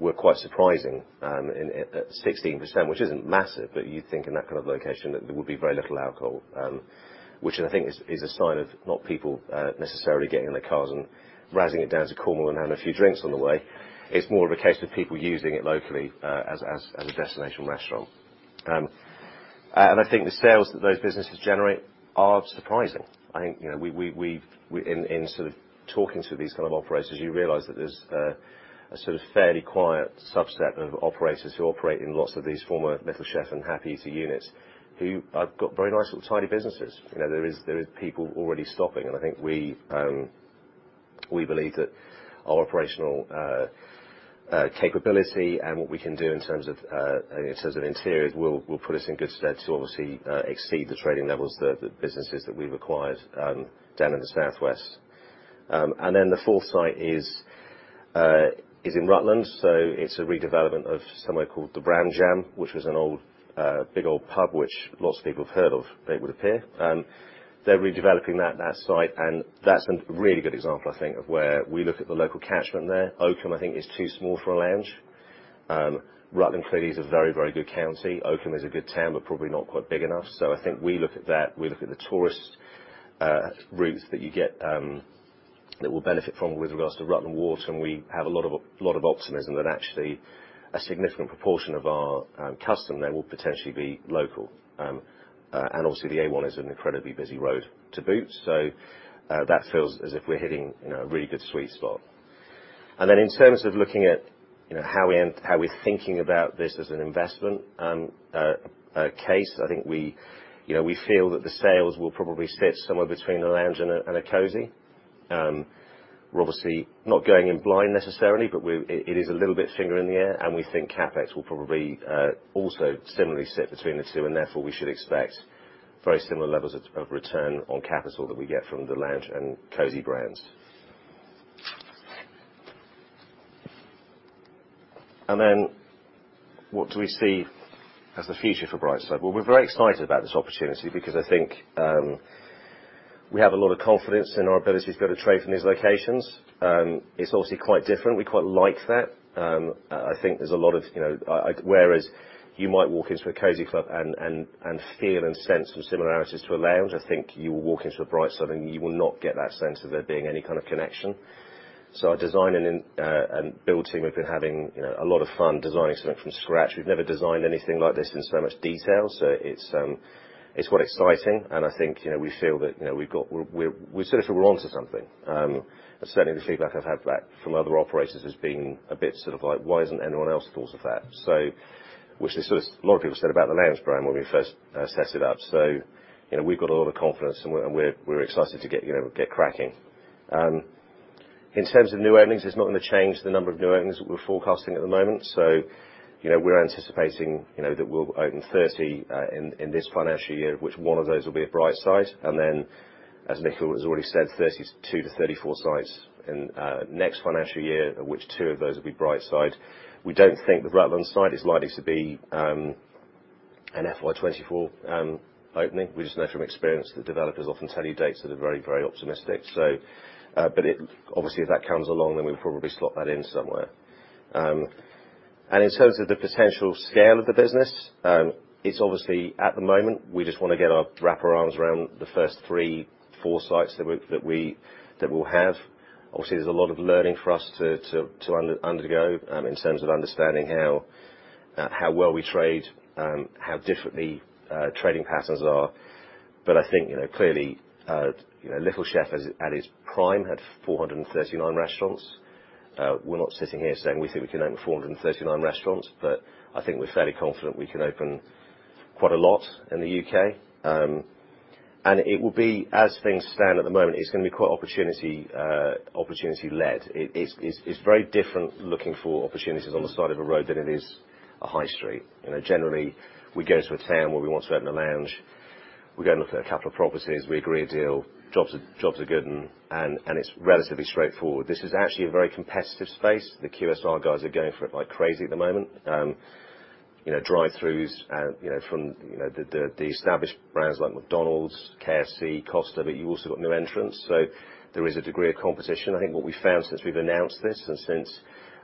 were quite surprising at 16%, which isn't massive, but you'd think in that kind of location that there would be very little alcohol. Which I think is a sign of not people necessarily getting in their cars and razzing it down to Cornwall and having a few drinks on the way. It's more of a case of people using it locally, as a destination restaurant. I think the sales that those businesses generate are surprising. I think, you know, In sort of talking to these kind of operators, you realize that there's a sort of fairly quiet subset of operators who operate in lots of these former Little Chef and Happy Eater units who have got very nice little tidy businesses. You know, there is people already stopping, and I think we believe that our operational capability and what we can do in terms of interiors will put us in good stead to obviously exceed the trading levels that the businesses that we've acquired down in the southwest. The fourth site is in Rutland, so it's a redevelopment of somewhere called The Ram Jam, which was an old, big old pub which lots of people have heard of, it would appear. They're redeveloping that site, and that's a really good example, I think, of where we look at the local catchment there. Oakham, I think is too small for a Lounge. Rutland clearly is a very good county. Oakham is a good town, probably not quite big enough. I think we look at that, we look at the tourist route that you get, that we'll benefit from with regards to Rutland Water, and we have a lot of optimism that actually a significant proportion of our custom there will potentially be local. Also the A1 is an incredibly busy road to boot. That feels as if we're hitting, you know, a really good sweet spot. In terms of looking at, you know, how we're, how we're thinking about this as an investment case, I think we, you know, we feel that the sales will probably sit somewhere between a Lounge and a Cosy. We're obviously not going in blind necessarily, but it is a little bit finger in the air, and we think CapEx will probably also similarly sit between the two, and therefore we should expect very similar levels of return on capital that we get from the Lounge and Cosy brands. What do we see as the future for Brightside? Well, we're very excited about this opportunity because I think we have a lot of confidence in our ability to be able to trade from these locations. It's obviously quite different. We quite like that. I think there's a lot of, you know, whereas you might walk into a Cosy Club and feel and sense some similarities to a Lounge, I think you will walk into a Brightside and you will not get that sense of there being any kind of connection. Our design and build team have been having, you know, a lot of fun designing something from scratch. We've never designed anything like this in so much detail, it's quite exciting. I think, you know, we feel that, you know, we're sort of onto something. Certainly the feedback I've had back from other operators has been a bit sort of like, "Why hasn't anyone else thought of that?" Which is sort of... A lot of people said about the Lounge brand when we first set it up. You know, we've got a lot of confidence and we're excited to get, you know, get cracking. In terms of new openings, it's not gonna change the number of new openings that we're forecasting at the moment. You know, we're anticipating, you know, that we'll open 30 in this financial year, which one of those will be a Brightside. As Michael has already said, 32 to 34 sites in next financial year, which two of those will be Brightside. We don't think the Rutland site is likely to be an FY 2024 opening. We just know from experience that developers often tell you dates that are very, very optimistic. Obviously, if that comes along, then we'll probably slot that in somewhere. In terms of the potential scale of the business, it's obviously, at the moment, we just wanna wrap our arms around the first three, four sites that we'll have. Obviously, there's a lot of learning for us to undergo in terms of understanding how well we trade, how differently trading patterns are. I think, you know, clearly, you know, Little Chef as, at its prime, had 439 restaurants. We're not sitting here saying we think we can open 439 restaurants, but I think we're fairly confident we can open quite a lot in the U.K. It will be, as things stand at the moment, it's gonna be quite opportunity led. It, it's, it's very different looking for opportunities on the side of a road than it is a high street. You know, generally, we go to a town where we want to open a Lounge, we go and look at a couple of properties, we agree a deal, jobs are good, and it's relatively straightforward. This is actually a very competitive space. The QSR guys are going for it like crazy at the moment. you know, drive-throughs, you know, from, you know, the, the established brands like McDonald's, KFC, Costa, you've also got new entrants. There is a degree of competition. I think what we found since we've announced this and since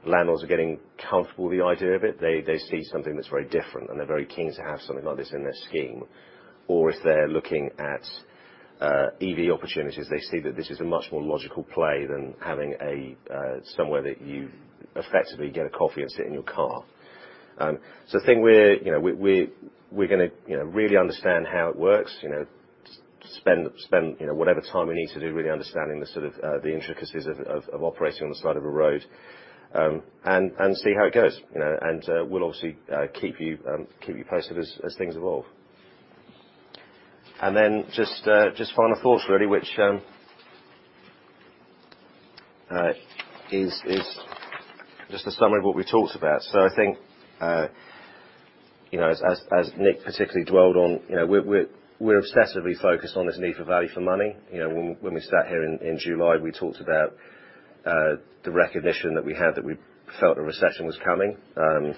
landlords are getting comfortable with the idea of it, they see something that's very different, and they're very keen to have something like this in their scheme. If they're looking at, EV opportunities, they see that this is a much more logical play than having a, somewhere that you effectively get a coffee and sit in your car. I think we're, you know, we're, we're gonna, you know, really understand how it works. You know, spend, you know, whatever time we need to do, really understanding the sort of, the intricacies of operating on the side of a road, and see how it goes, you know. We'll obviously, keep you posted as things evolve. Just final thoughts really which is just a summary of what we talked about. I think, you know, as Nick particularly dwelled on, you know, we're obsessively focused on this need for value for money. You know, when we sat here in July, we talked about the recognition that we had that we felt a recession was coming, and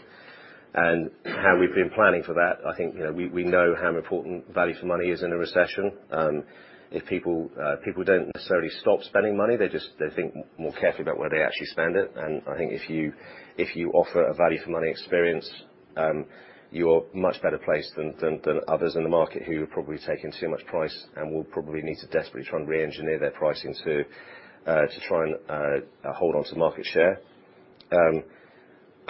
how we've been planning for that. I think, you know, we know how important value for money is in a recession. If people don't necessarily stop spending money, they just they think more carefully about where they actually spend it. I think if you, if you offer a value for money experience, you're much better placed than others in the market who have probably taken too much price and will probably need to desperately try and re-engineer their pricing to try and hold on to market share.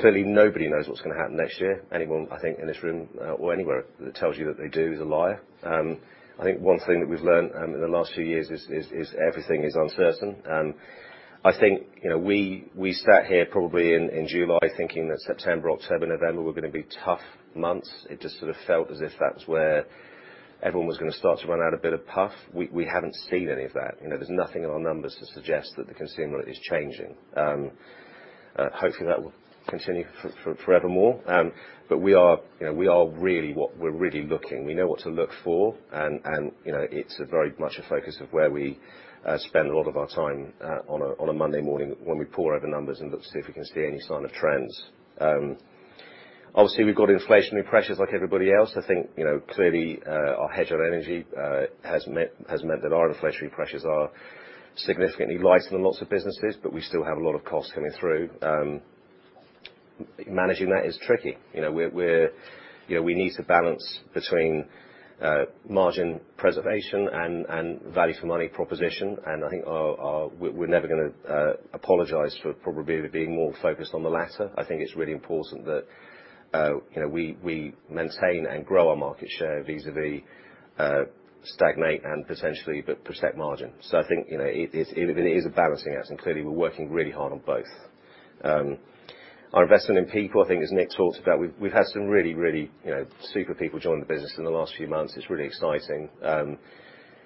Clearly nobody knows what's gonna happen next year. Anyone, I think, in this room, or anywhere that tells you that they do is a liar. I think one thing that we've learned in the last few years is everything is uncertain. I think, you know, we sat here probably in July thinking that September, October, November were gonna be tough months. It just sort of felt as if that's where everyone was gonna start to run out a bit of puff. We, we haven't seen any of that. You know, there's nothing in our numbers to suggest that the consumer is changing. Hopefully that will continue for forevermore. We are, you know, we are really what we're really looking. We know what to look for and, you know, it's a very much a focus of where we spend a lot of our time on a Monday morning when we pore over numbers and look to see if we can see any sign of trends. Obviously, we've got inflationary pressures like everybody else. I think, you know, clearly, our hedge on energy has meant that our inflationary pressures are significantly lighter than lots of businesses, but we still have a lot of costs coming through. Managing that is tricky. You know, we need to balance between margin preservation and value for money proposition, and I think we're never gonna apologize for probably being more focused on the latter. I think it's really important that, you know, we maintain and grow our market share vis-à-vis stagnate and potentially but protect margin. I think, you know, it is a balancing act, and clearly we're working really hard on both. Our investment in people, I think as Nick talked about, we've had some really, you know, super people join the business in the last few months. It's really exciting.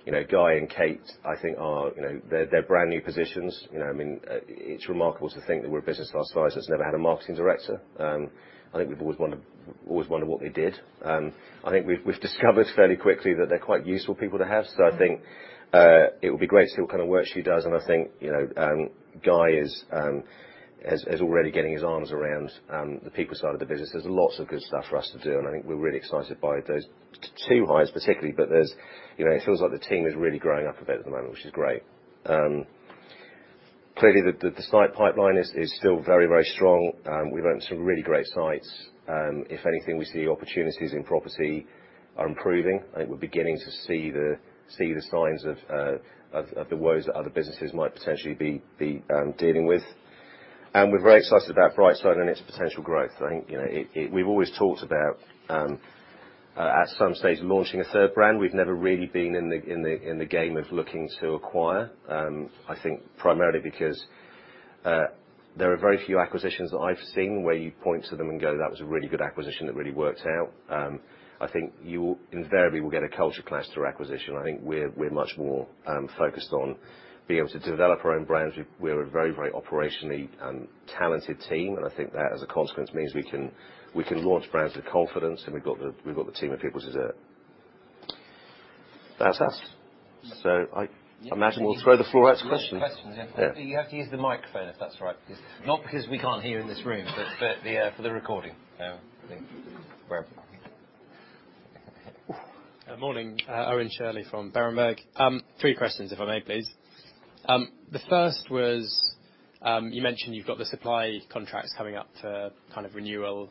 You know, Guy and Kate, I think are, you know. They're brand new positions. You know what I mean? It's remarkable to think that we're a business of our size that's never had a marketing director. I think we've always wondered what we did. I think we've discovered fairly quickly that they're quite useful people to have. I think it will be great to see what kind of work she does, and I think, you know, Guy is already getting his arms around the people side of the business. There's lots of good stuff for us to do, and I think we're really excited by those two hires particularly. You know, it feels like the team is really growing up a bit at the moment, which is great. Clearly the site pipeline is still very, very strong. We've opened some really great sites. If anything, we see opportunities in property are improving. I think we're beginning to see the signs of the woes that other businesses might potentially be dealing with. We're very excited about Brightside and its potential growth. I think, you know, we've always talked about at some stage launching a third brand. We've never really been in the game of looking to acquire, I think primarily because there are very few acquisitions that I've seen where you point to them and go, "That was a really good acquisition that really worked out." I think you invariably will get a culture clash through acquisition. I think we're much more focused on being able to develop our own brands. We're a very, very operationally talented team, and I think that, as a consequence, means we can launch brands with confidence, and we've got the team of people to do it. That's us. I imagine we'll throw the floor out to questions. Questions, yeah. Yeah. You have to use the microphone if that's right. Not because we can't hear in this room, but for the for the recording. Yeah, wherever. Good morning. Owen Shirley from Berenberg. Three questions if I may, please. The first was, you mentioned you've got the supply contracts coming up for kind of renewal,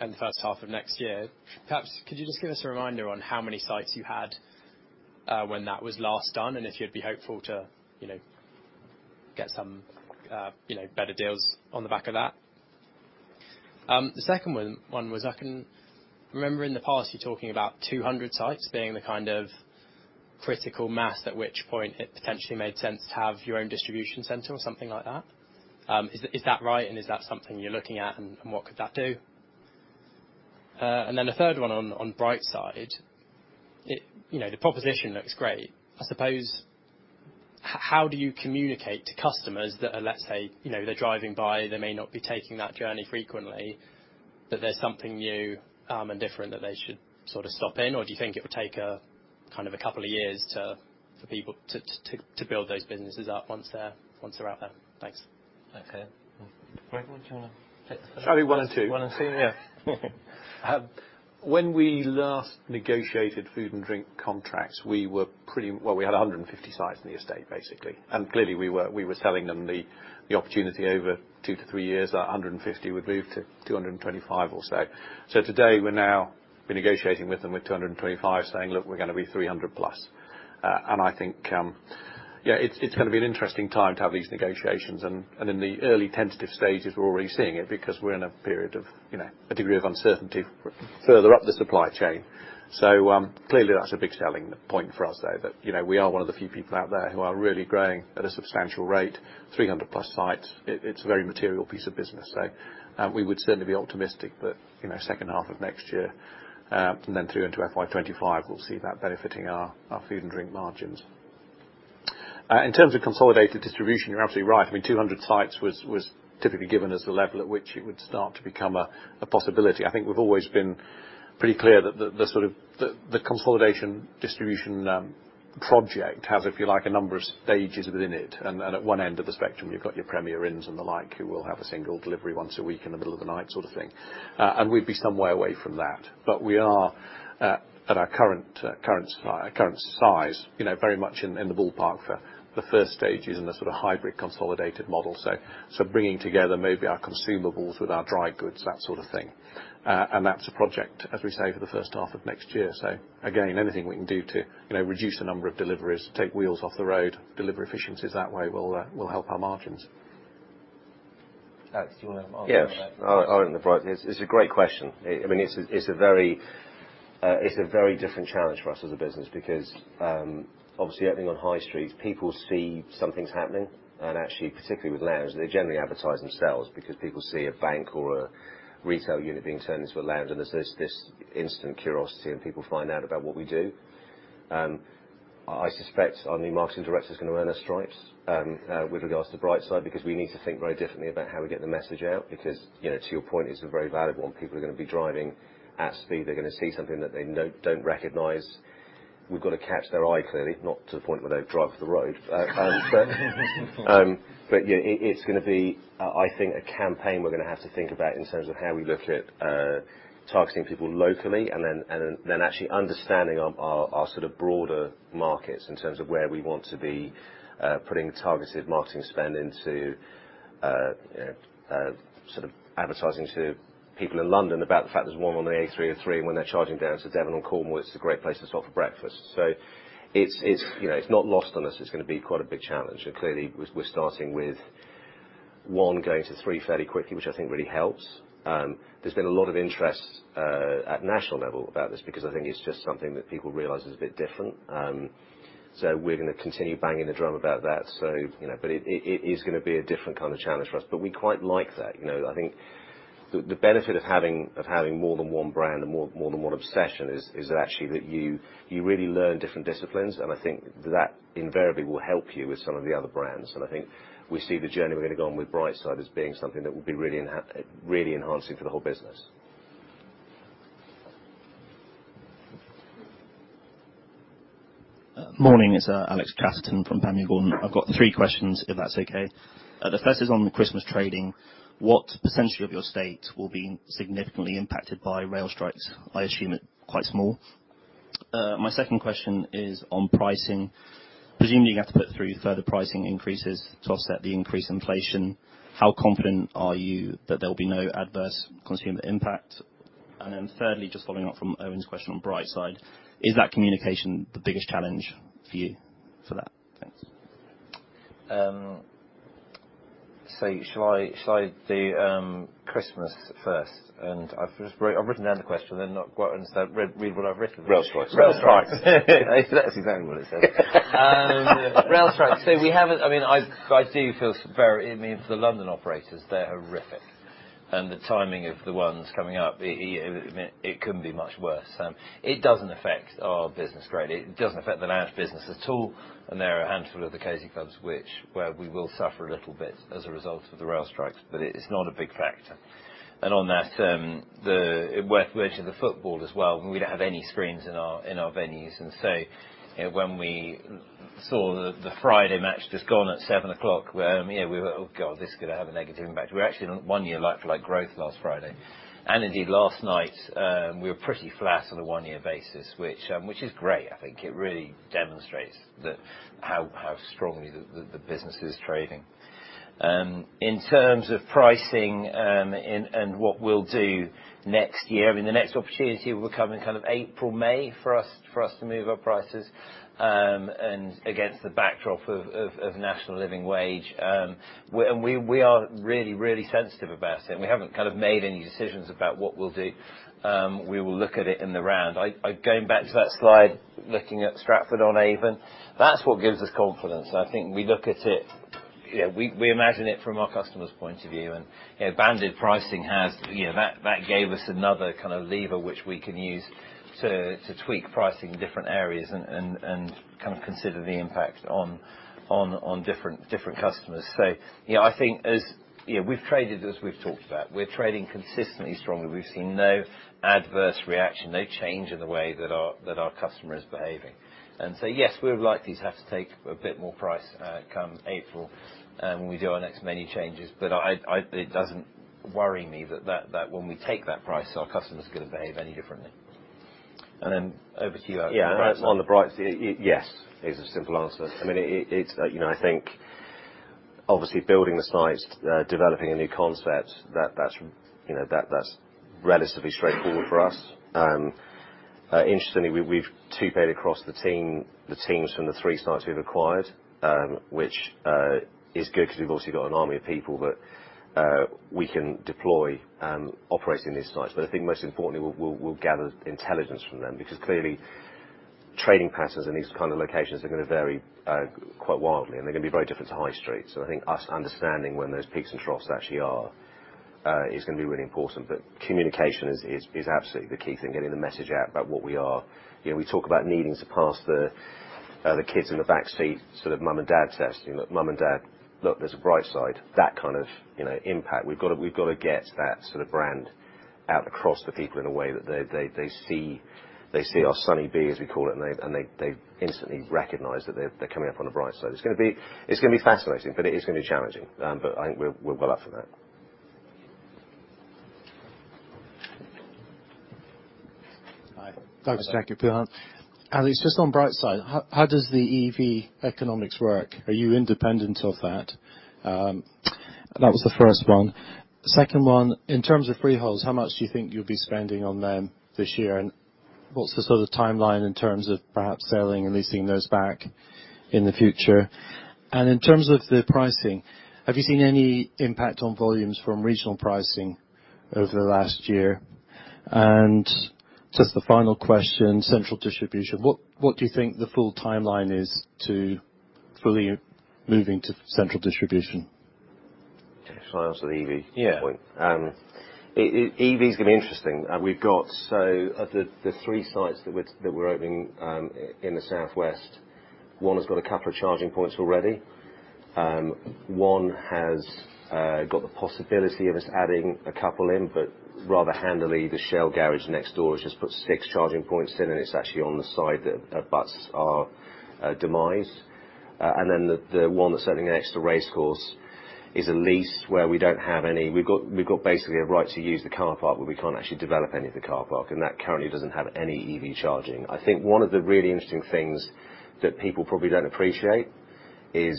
in the first half of next year. Perhaps, could you just give us a reminder on how many sites you had, when that was last done, and if you'd be hopeful to, you know, get some, you know, better deals on the back of that? The second one was I can remember in the past, you talking about 200 sites being the kind of critical mass at which point it potentially made sense to have your own distribution center or something like that. Is that right, and is that something you're looking at, and what could that do? Then a third one on Brightside. You know, the proposition looks great. I suppose, how do you communicate to customers that are, let's say, you know, they're driving by, they may not be taking that journey frequently, but there's something new and different that they should sort of stop in? Do you think it will take kind of a couple of years for people to build those businesses up once they're out there? Thanks. Okay. Greg, would you wanna take the first? I'll do one and two. One and two? Yeah. When we last negotiated food and drink contracts, Well, we had 150 sites in the estate, basically. Clearly, we were selling them the opportunity over two to three years, that 150 would move to 225 or so. Today, we're now negotiating with them with 225 saying, "Look, we're gonna be 300 plus." I think, yeah, it's gonna be an interesting time to have these negotiations, and in the early tentative stages, we're already seeing it because we're in a period of, you know, a degree of uncertainty further up the supply chain. Clearly that's a big selling point for us, though, that, you know, we are one of the few people out there who are really growing at a substantial rate, 300 plus sites. It's a very material piece of business. We would certainly be optimistic that, you know, second half of next year, and then through into FY 2025, we'll see that benefiting our food and drink margins. In terms of consolidated distribution, you're absolutely right. I mean, 200 sites was typically given as the level at which it would start to become a possibility. I think we've always been pretty clear that the sort of, the consolidation distribution, project has, if you like, a number of stages within it. At one end of the spectrum, you've got your Premier Inn and the like, who will have a single delivery once a week in the middle of the night sort of thing. We'd be some way away from that. We are, at our current size, you know, very much in the ballpark for the first stages in a sort of hybrid consolidated model. Bringing together maybe our consumables with our dry goods, that sort of thing. That's a project, as we say, for the first half of next year. Again, anything we can do to, you know, reduce the number of deliveries, take wheels off the road, deliver efficiencies that way will help our margins. Alex, do you wanna add more to that? Yes. I mean, it's a great question. I mean, it's a very different challenge for us as a business because obviously, I think on high streets, people see something's happening, and actually, particularly with Lounges, they generally advertise themselves because people see a bank or a retail unit being turned into a Lounge, and there's this instant curiosity, and people find out about what we do. I suspect our new marketing director is going to earn his stripes with regards to Brightside because we need to think very differently about how we get the message out because, you know, to your point, it's a very valuable one. People are going to be driving at speed. They're going to see something that they don't recognize. We've got to catch their eye, clearly, not to the point where they drive off the road. Yeah, it's gonna be, I think, a campaign we're going to have to think about in terms of how we look at targeting people locally and then actually understanding our sort of broader markets in terms of where we want to be putting targeted marketing spend into, you know, sort of advertising to people in London about the fact there's one on the A303, and when they're charging down to Devon and Cornwall, it's a great place to stop for breakfast. It's, you know, it's not lost on us. It's going to be quite a big challenge. Clearly, we're starting with one going to three fairly quickly, which I think really helps. There's been a lot of interest at national level about this because I think it's just something that people realize is a bit different. We're gonna continue banging the drum about that. You know, but it is gonna be a different kind of challenge for us. We quite like that. You know, I think the benefit of having more than one brand and more than one obsession is that actually you really learn different disciplines, and I think that invariably will help you with some of the other brands. I think we see the journey we're gonna go on with Brightside as being something that will be really enhancing for the whole business. Morning. It's Alex Chatterton from Panmure Gordon. I've got three questions, if that's okay. The first is on the Christmas trading. What percentage of your state will be significantly impacted by rail strikes? I assume it quite small. My second question is on pricing. Presumably, you have to put through further pricing increases to offset the increased inflation. How confident are you that there'll be no adverse consumer impact? Thirdly, just following up from Owen's question on Brightside, is that communication the biggest challenge for you for that? Thanks. Shall I do Christmas first? I've written down the question and not quite understand. Read what I've written. Rail strikes. That's exactly what it says. Rail strikes. I mean, I do feel very, I mean, for the London operators, they're horrific. The timing of the ones coming up, it couldn't be much worse. It doesn't affect our business greatly. It doesn't affect the Lounge business at all, and there are a handful of the Cosy Clubs which, where we will suffer a little bit as a result of the rail strikes, but it's not a big factor. On that, it worked for the football as well, and we don't have any screens in our venues. You know, when we saw the Friday match just gone at 7 o'clock, you know, we went, "Oh, God, this is gonna have a negative impact." We actually had one-year like-for-like growth last Friday. Indeed last night, we were pretty flat on a one year basis, which is great. I think it really demonstrates the, how strongly the business is trading. In terms of pricing, and what we'll do next year, I mean, the next opportunity will come in kind of April, May for us, for us to move our prices, and against the backdrop of National Living Wage. We are really, really sensitive about it, and we haven't kind of made any decisions about what we'll do. We will look at it in the round. I, Going back to that slide, looking at Stratford-upon-Avon, that's what gives us confidence. I think we look at it. You know, we imagine it from our customer's point of view, and, you know, banded pricing has. You know, that gave us another kind of lever which we can use to tweak pricing in different areas and kind of consider the impact on different customers. You know, I think as. You know, we've traded as we've talked about. We're trading consistently strongly. We've seen no adverse reaction, no change in the way that our customer is behaving. Yes, we're likely to have to take a bit more price come April when we do our next menu changes. I. It doesn't worry me that when we take that price, our customer's gonna behave any differently. Over to you, Brightside. Yeah. Yes is the simple answer. I mean, it's, you know, I think obviously building the sites, developing a new concept, that's, you know, that's relatively straightforward for us. Interestingly, we've two paid across the teams from the three sites we've acquired, which is good 'cause we've obviously got an army of people that we can deploy operating these sites. I think most importantly, we'll gather intelligence from them because clearly training passes in these kind of locations are gonna vary quite wildly, and they're gonna be very different to high streets. I think us understanding when those peaks and troughs actually are, is gonna be really important. Communication is absolutely the key thing, getting the message out about what we are. You know, we talk about needing to pass the kids in the backseat sort of mom and dad test. You know, mom and dad, "Look, there's a Brightside." That kind of, you know, impact. We've gotta get that sort of brand out across the people in a way that they see our sunny bee, as we call it, and they instantly recognize that they're coming up on a Brightside. It's gonna be fascinating, but it is gonna be challenging. I think we're well up for that. Hi. Hi. Alex, just on Brightside, how does the EV economics work? Are you independent of that? That was the first one. Second one, in terms of freeholds, how much do you think you'll be spending on them this year, and what's the sort of timeline in terms of perhaps selling and leasing those back in the future? In terms of the pricing, have you seen any impact on volumes from regional pricing over the last year? Just the final question, central distribution. What do you think the full timeline is to fully moving to central distribution? Shall I answer the EV point? Yeah. EV is going to be interesting. We've got the three sites that we're opening in the Southwest, one has got a couple of charging points already. One has got the possibility of us adding a couple in, rather handily, the Shell garage next door has just put six charging points in, and it's actually on the side that abuts our demise. The one that's sitting next to Racecourse is a lease where we don't have any. We've got basically a right to use the car park, but we can't actually develop any of the car park, and that currently doesn't have any EV charging. I think one of the really interesting things that people probably don't appreciate is,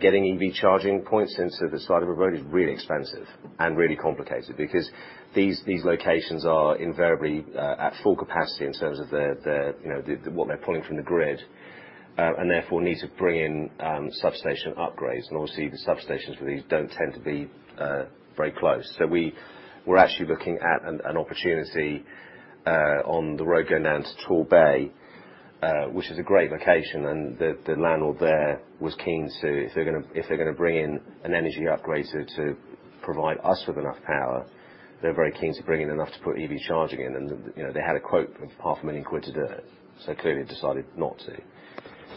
getting EV charging points into the side of a road is really expensive and really complicated because these locations are invariably at full capacity in terms of the, you know, what they're pulling from the grid, and therefore need to bring in substation upgrades. Obviously, the substations for these don't tend to be very close. We're actually looking at an opportunity on the road going down to Torbay, which is a great location. The landlord there was keen to, if they're gonna bring in an energy upgrader to provide us with enough power, they're very keen to bring in enough to put EV charging in. You know, they had a quote of 0.5 million quid to do it, clearly decided not to.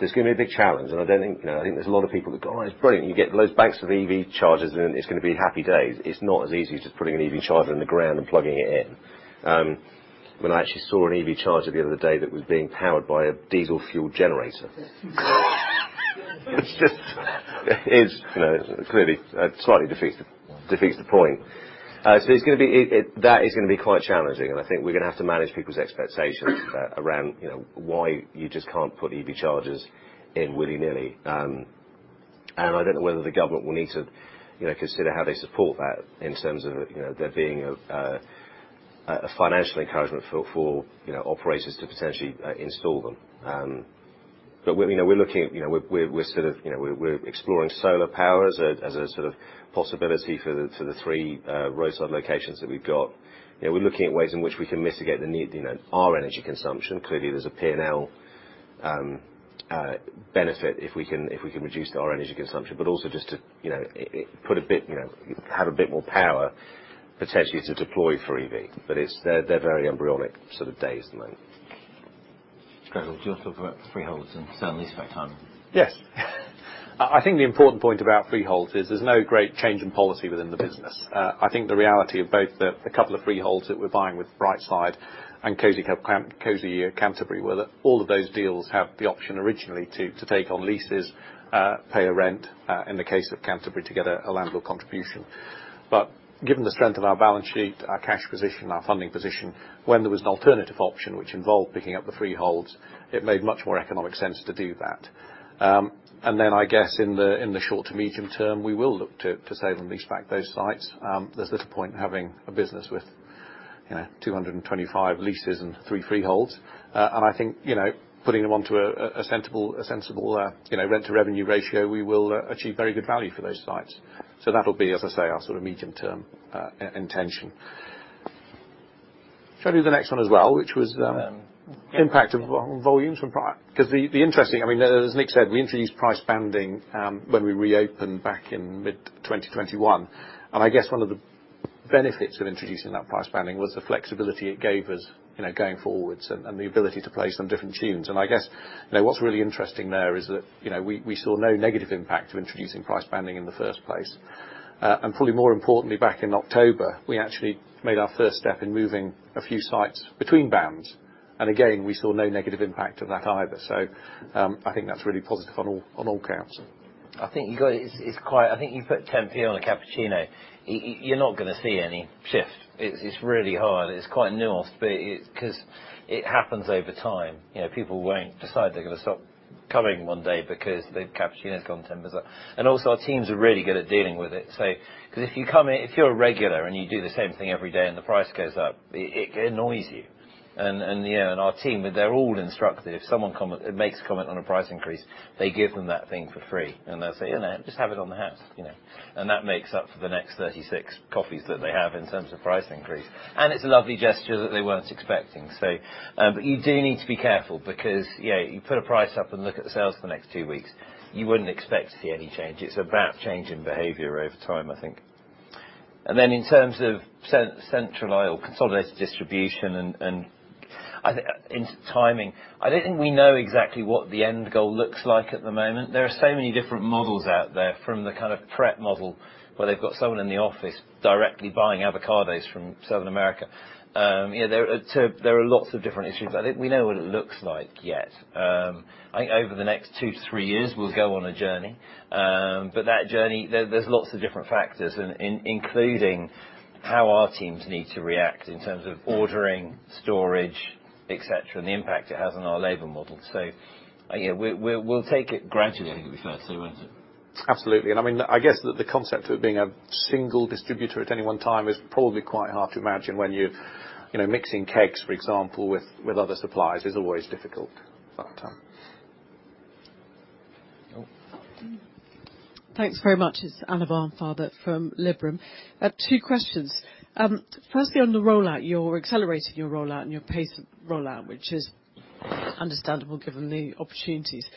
It's gonna be a big challenge, and I don't think, you know, I think there's a lot of people that go, "Oh, it's brilliant. You get those banks of EV chargers in, and it's gonna be happy days." It's not as easy as just putting an EV charger in the ground and plugging it in. When I actually saw an EV charger the other day that was being powered by a diesel fuel generator, it's, you know, clearly, slightly defeats the point. That is gonna be quite challenging, and I think we're gonna have to manage people's expectations around, you know, why you just can't put EV chargers in willy-nilly. I don't know whether the government will need to, you know, consider how they support that in terms of, you know, there being a, a financial encouragement for, you know, operators to potentially, install them. We, you know, we're looking at, you know, we're sort of, you know, we're exploring solar power as a, as a sort of possibility for the, for the three roadside locations that we've got. You know, we're looking at ways in which we can mitigate the need, you know, our energy consumption. Clearly, there's a P&L benefit if we can, if we can reduce our energy consumption, but also just to, you know, put a bit, you know, have a bit more power potentially to deploy for EV. It's, they're very embryonic sort of days at the moment. Gregory, do you want to talk about freeholds and sale and leaseback timing? Yes. I think the important point about freeholds is there's no great change in policy within the business. I think the reality of both the couple of freeholds that we're buying with Brightside and Cosy Club Canterbury, were that all of those deals have the option originally to take on leases, pay a rent, in the case of Canterbury, to get a landlord contribution. Given the strength of our balance sheet, our cash position, our funding position, when there was an alternative option which involved picking up the freeholds, it made much more economic sense to do that. And then I guess in the short to medium term, we will look to sale and leaseback those sites. There's little point in having a business with, you know, 225 leases and three freeholds. I think, you know, putting them onto a sensible, you know, rent-to-revenue ratio, we will achieve very good value for those sites. That'll be, as I say, our sort of medium-term in-intention. Shall I do the next one as well, which was Yeah impact of volumes from because the interesting. I mean, as Nick said, we introduced price banding, when we reopened back in mid-2021. I guess one of the benefits of introducing that price banding was the flexibility it gave us, you know, going forwards and the ability to play some different tunes. I guess, you know, what's really interesting there is that, you know, we saw no negative impact of introducing price banding in the first place. Probably more importantly, back in October, we actually made our first step in moving a few sites between bands. Again, we saw no negative impact of that either. I think that's really positive on all counts. I think you got it. It's quite. I think you put 0.10 on a cappuccino, you're not gonna see any shift. It's really hard. It's quite nuanced, but it's 'cause it happens over time. You know, people won't decide they're gonna stop coming one day because the cappuccino's gone 0.10 up. Also, our teams are really good at dealing with it. 'Cause if you come in, if you're a regular and you do the same thing every day and the price goes up, it annoys you. And, you know, our team, they're all instructed, if someone makes a comment on a price increase, they give them that thing for free, and they'll say, "You know, just have it on the house," you know? That makes up for the next 36 coffees that they have in terms of price increase. It's a lovely gesture that they weren't expecting. You do need to be careful because, yeah, you put a price up and look at the sales for the next two weeks, you wouldn't expect to see any change. It's about change in behavior over time, I think. Then in terms of centralized, consolidated distribution and I think in timing, I don't think we know exactly what the end goal looks like at the moment. There are so many different models out there, from the kind of Pret model, where they've got someone in the office directly buying avocados from South America. You know, there are lots of different issues. I don't think we know what it looks like yet. I think over the next two to three years, we'll go on a journey. That journey, there's lots of different factors including how our teams need to react in terms of ordering, storage, et cetera, and the impact it has on our labor model. You know, we'll take it Gradually, I think it'll be fair to say, won't it? Absolutely. I mean, I guess that the concept of being a single distributor at any one time is probably quite hard to imagine when you're, you know, mixing kegs, for example, with other suppliers is always difficult, but. Thanks very much. It's Anna Barnfather from Liberum. I have two questions. Firstly, on the rollout, you're accelerating your rollout and your pace of rollout, which is understandable given the opportunities.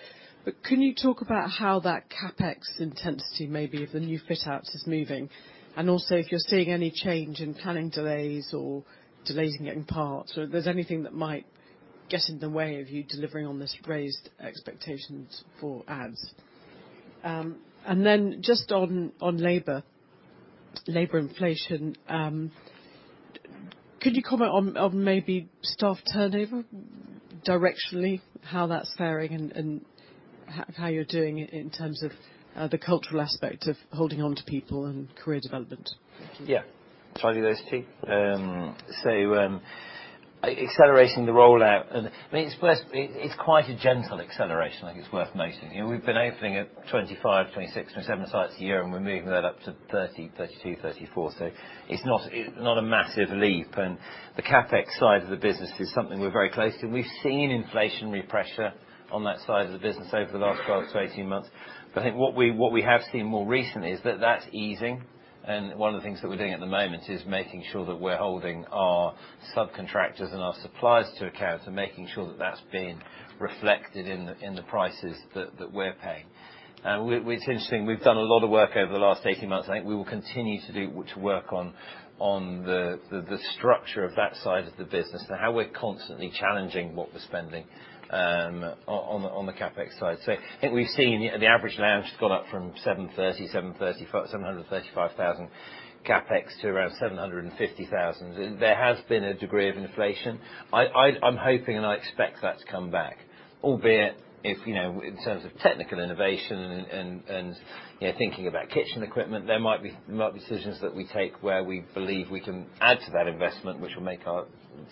Can you talk about how that CapEx intensity, maybe of the new fit outs is moving? Also if you're seeing any change in planning delays or delays in getting parts, or if there's anything that might get in the way of you delivering on this raised expectations for ads? Then just on labor inflation, could you comment on maybe staff turnover directionally, how that's faring and how you're doing in terms of the cultural aspect of holding on to people and career development? Thank you. Yeah. Shall I do those two? acceleration the rollout, I mean, it's quite a gentle acceleration, I think it's worth noting. You know, we've been opening at 25, 26, 27 sites a year, we're moving that up to 30, 32, 34. It's not a massive leap. The CapEx side of the business is something we're very close to. We've seen inflationary pressure on that side of the business over the last 12 to 18 months. I think what we have seen more recently is that that's easing, one of the things that we're doing at the moment is making sure that we're holding our subcontractors and our suppliers to account and making sure that that's being reflected in the prices that we're paying. It's interesting. We've done a lot of work over the last 18 months. I think we will continue to work on the structure of that side of the business and how we're constantly challenging what we're spending on the CapEx side. I think we've seen the average lounge has gone up from 735,000 CapEx to around 750,000. There has been a degree of inflation. I'm hoping, and I expect that to come back, albeit if, you know, in terms of technical innovation and, thinking about kitchen equipment, there might be decisions that we take where we believe we can add to that investment, which will make our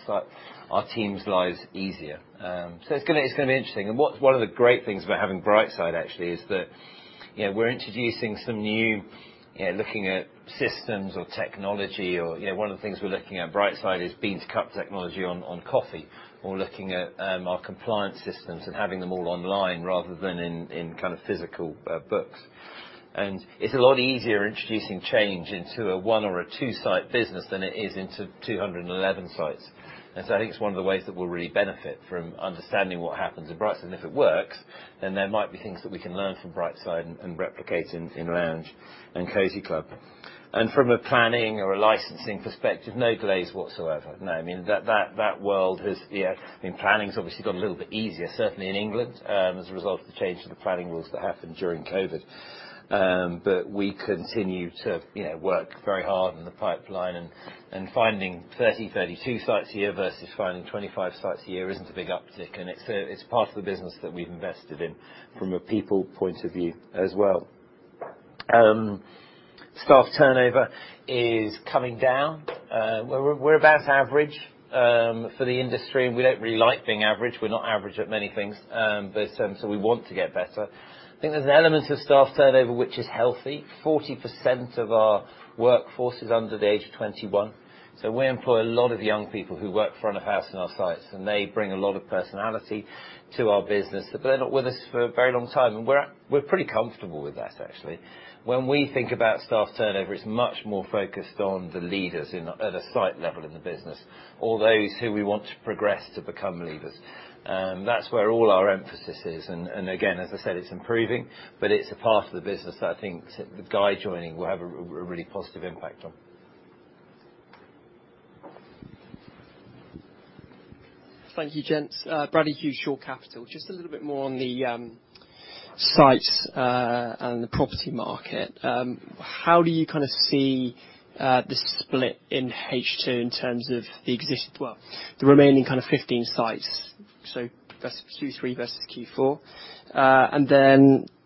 site, our team's lives easier. It's gonna be interesting. What's one of the great things about having Brightside actually is that, you know, we're introducing some new, you know, looking at systems or technology. You know, one of the things we're looking at Brightside is bean-to-cup technology on coffee, or looking at our compliance systems and having them all online rather than in kind of physical books. It's a lot easier introducing change into a one or a two-site business than it is into 211 sites. I think it's one of the ways that we'll really benefit from understanding what happens in Brightside. If it works, then there might be things that we can learn from Brightside and replicate in Lounge and Cosy Club. From a planning or a licensing perspective, no delays whatsoever. I mean, that world has, you know. I mean, planning's obviously got a little bit easier, certainly in England, as a result of the change to the planning rules that happened during COVID. We continue to, you know, work very hard in the pipeline and finding 30, 32 sites a year versus finding 25 sites a year isn't a big uptick. It's part of the business that we've invested in from a people point of view as well. Staff turnover is coming down. We're about average for the industry, and we don't really like being average. We're not average at many things, so we want to get better. I think there's an element to staff turnover which is healthy. 40% of our workforce is under the age of 21. We employ a lot of young people who work front of house in our sites. They bring a lot of personality to our business. They're not with us for a very long time, and we're pretty comfortable with that, actually. When we think about staff turnover, it's much more focused on the leaders in, at a site level in the business or those who we want to progress to become leaders. That's where all our emphasis is, and again, as I said, it's improving. It's a part of the business that I think Guy joining will have a really positive impact on. Thank you, gents. Bradley Hughes, Shore Capital. Just a little bit more on the sites and the property market. How do you kinda see the split in H2 in terms of the remaining kind of 15 sites, so that's Q3 versus Q4?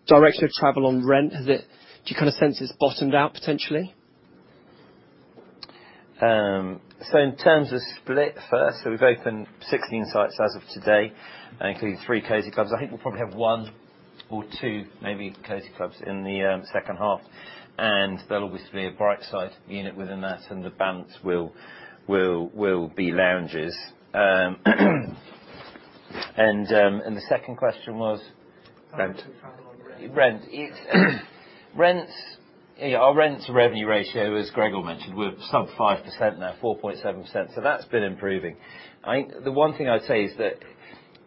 Direction of travel on rent, has it? Do you kind of sense it's bottomed out potentially? In terms of split first, so we've opened 16 sites as of today, including three Cosy Club. I think we'll probably have one or two, maybe, Cosy Club in the second half, and there'll obviously be a Brightside unit within that and the balance will be lounges. The second question was? Rent. Rent. Our rents revenue ratio, as Gregor mentioned, we're sub 5% now, 4.7%. That's been improving. I think the one thing I'd say is that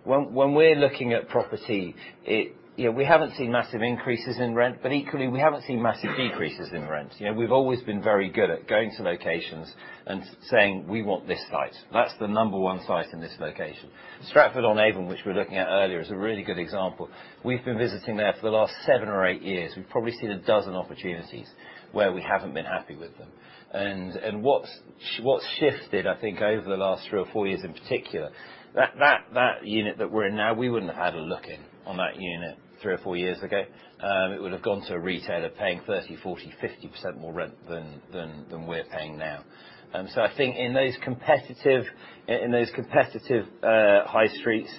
when we're looking at property, you know, we haven't seen massive increases in rent. Equally, we haven't seen massive decreases in rent. You know, we've always been very good at going to locations and saying, "We want this site. That's the number one site in this location." Stratford-upon-Avon, which we were looking at earlier, is a really good example. We've been visiting there for the last seven or eight years. We've probably seen 12 opportunities where we haven't been happy with them. What's shifted, I think, over the last three or four years in particular, that unit that we're in now, we wouldn't have had a look in on that unit three or four years ago. It would have gone to a retailer paying 30%, 40%, 50% more rent than we're paying now. I think in those competitive high streets,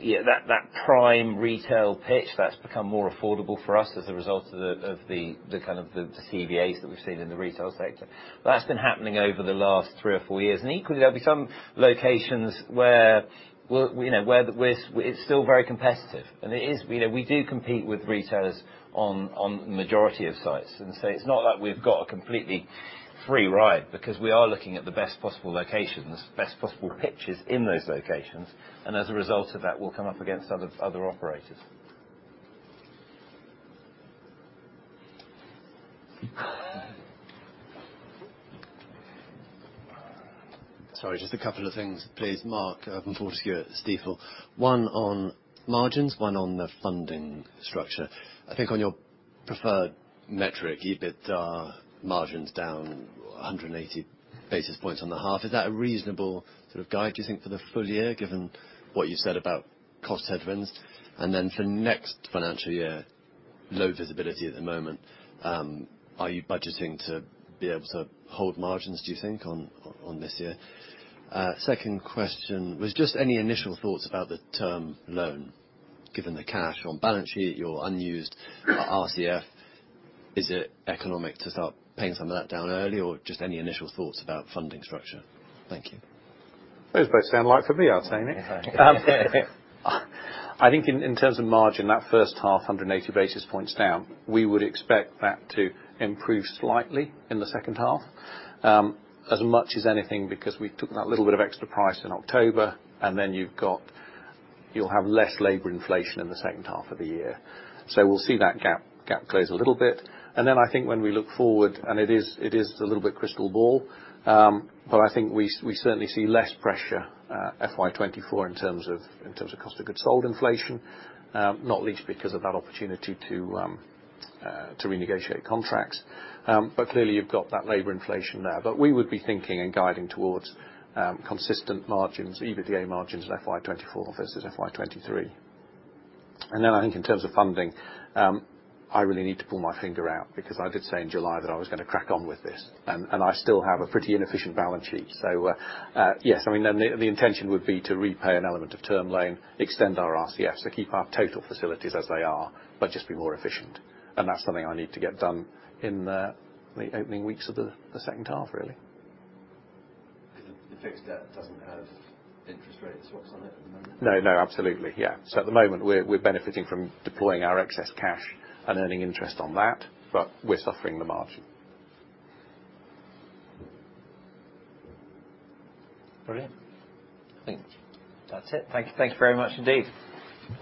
that prime retail pitch, that's become more affordable for us as a result of the kind of the CVAs that we've seen in the retail sector. That's been happening over the last three or four years. Equally, there'll be some locations where- Well, you know, it's still very competitive, and it is. You know, we do compete with retailers on majority of sites. It's not like we've got a completely free ride because we are looking at the best possible locations, best possible pitches in those locations, and as a result of that we'll come up against other operators. Sorry, just a couple of things please. Mark Irvine-Fortescue from Stifel. One on margins, one on the funding structure. I think on your preferred metric, EBIT, margins down 180 basis points on the half. Is that a reasonable sort of guide do you think for the full year given what you said about cost headwinds? Then for next financial year, low visibility at the moment, are you budgeting to be able to hold margins do you think on this year? Second question was just any initial thoughts about the term loan, given the cash on balance sheet, your unused RCF. Is it economic to start paying some of that down early or just any initial thoughts about funding structure? Thank you. Those both sound like for me, I'll take it. I think in terms of margin, that first half 180 basis points down, we would expect that to improve slightly in the second half. As much as anything because we took that little bit of extra price in October and then you'll have less labor inflation in the second half of the year. We'll see that gap close a little bit. Then I think when we look forward, and it is, it is a little bit crystal ball, but I think we certainly see less pressure, FY 2024 in terms of, in terms of cost of goods sold inflation, not least because of that opportunity to renegotiate contracts. Clearly you've got that labor inflation there. We would be thinking and guiding towards consistent margins, EBITDA margins in FY 2024 versus FY 2023. I think in terms of funding, I really need to pull my finger out because I did say in July that I was gonna crack on with this and I still have a pretty inefficient balance sheet. Yes. I mean, the intention would be to repay an element of term loan, extend our RCFs, so keep our total facilities as they are but just be more efficient. That's something I need to get done in the opening weeks of the second half really. The fixed debt doesn't have interest rates whatsoever at the moment? No, no, absolutely. Yeah. At the moment we're benefiting from deploying our excess cash and earning interest on that, but we're suffering the margin. Brilliant. Thank you. That's it. Thank you. Thanks very much indeed.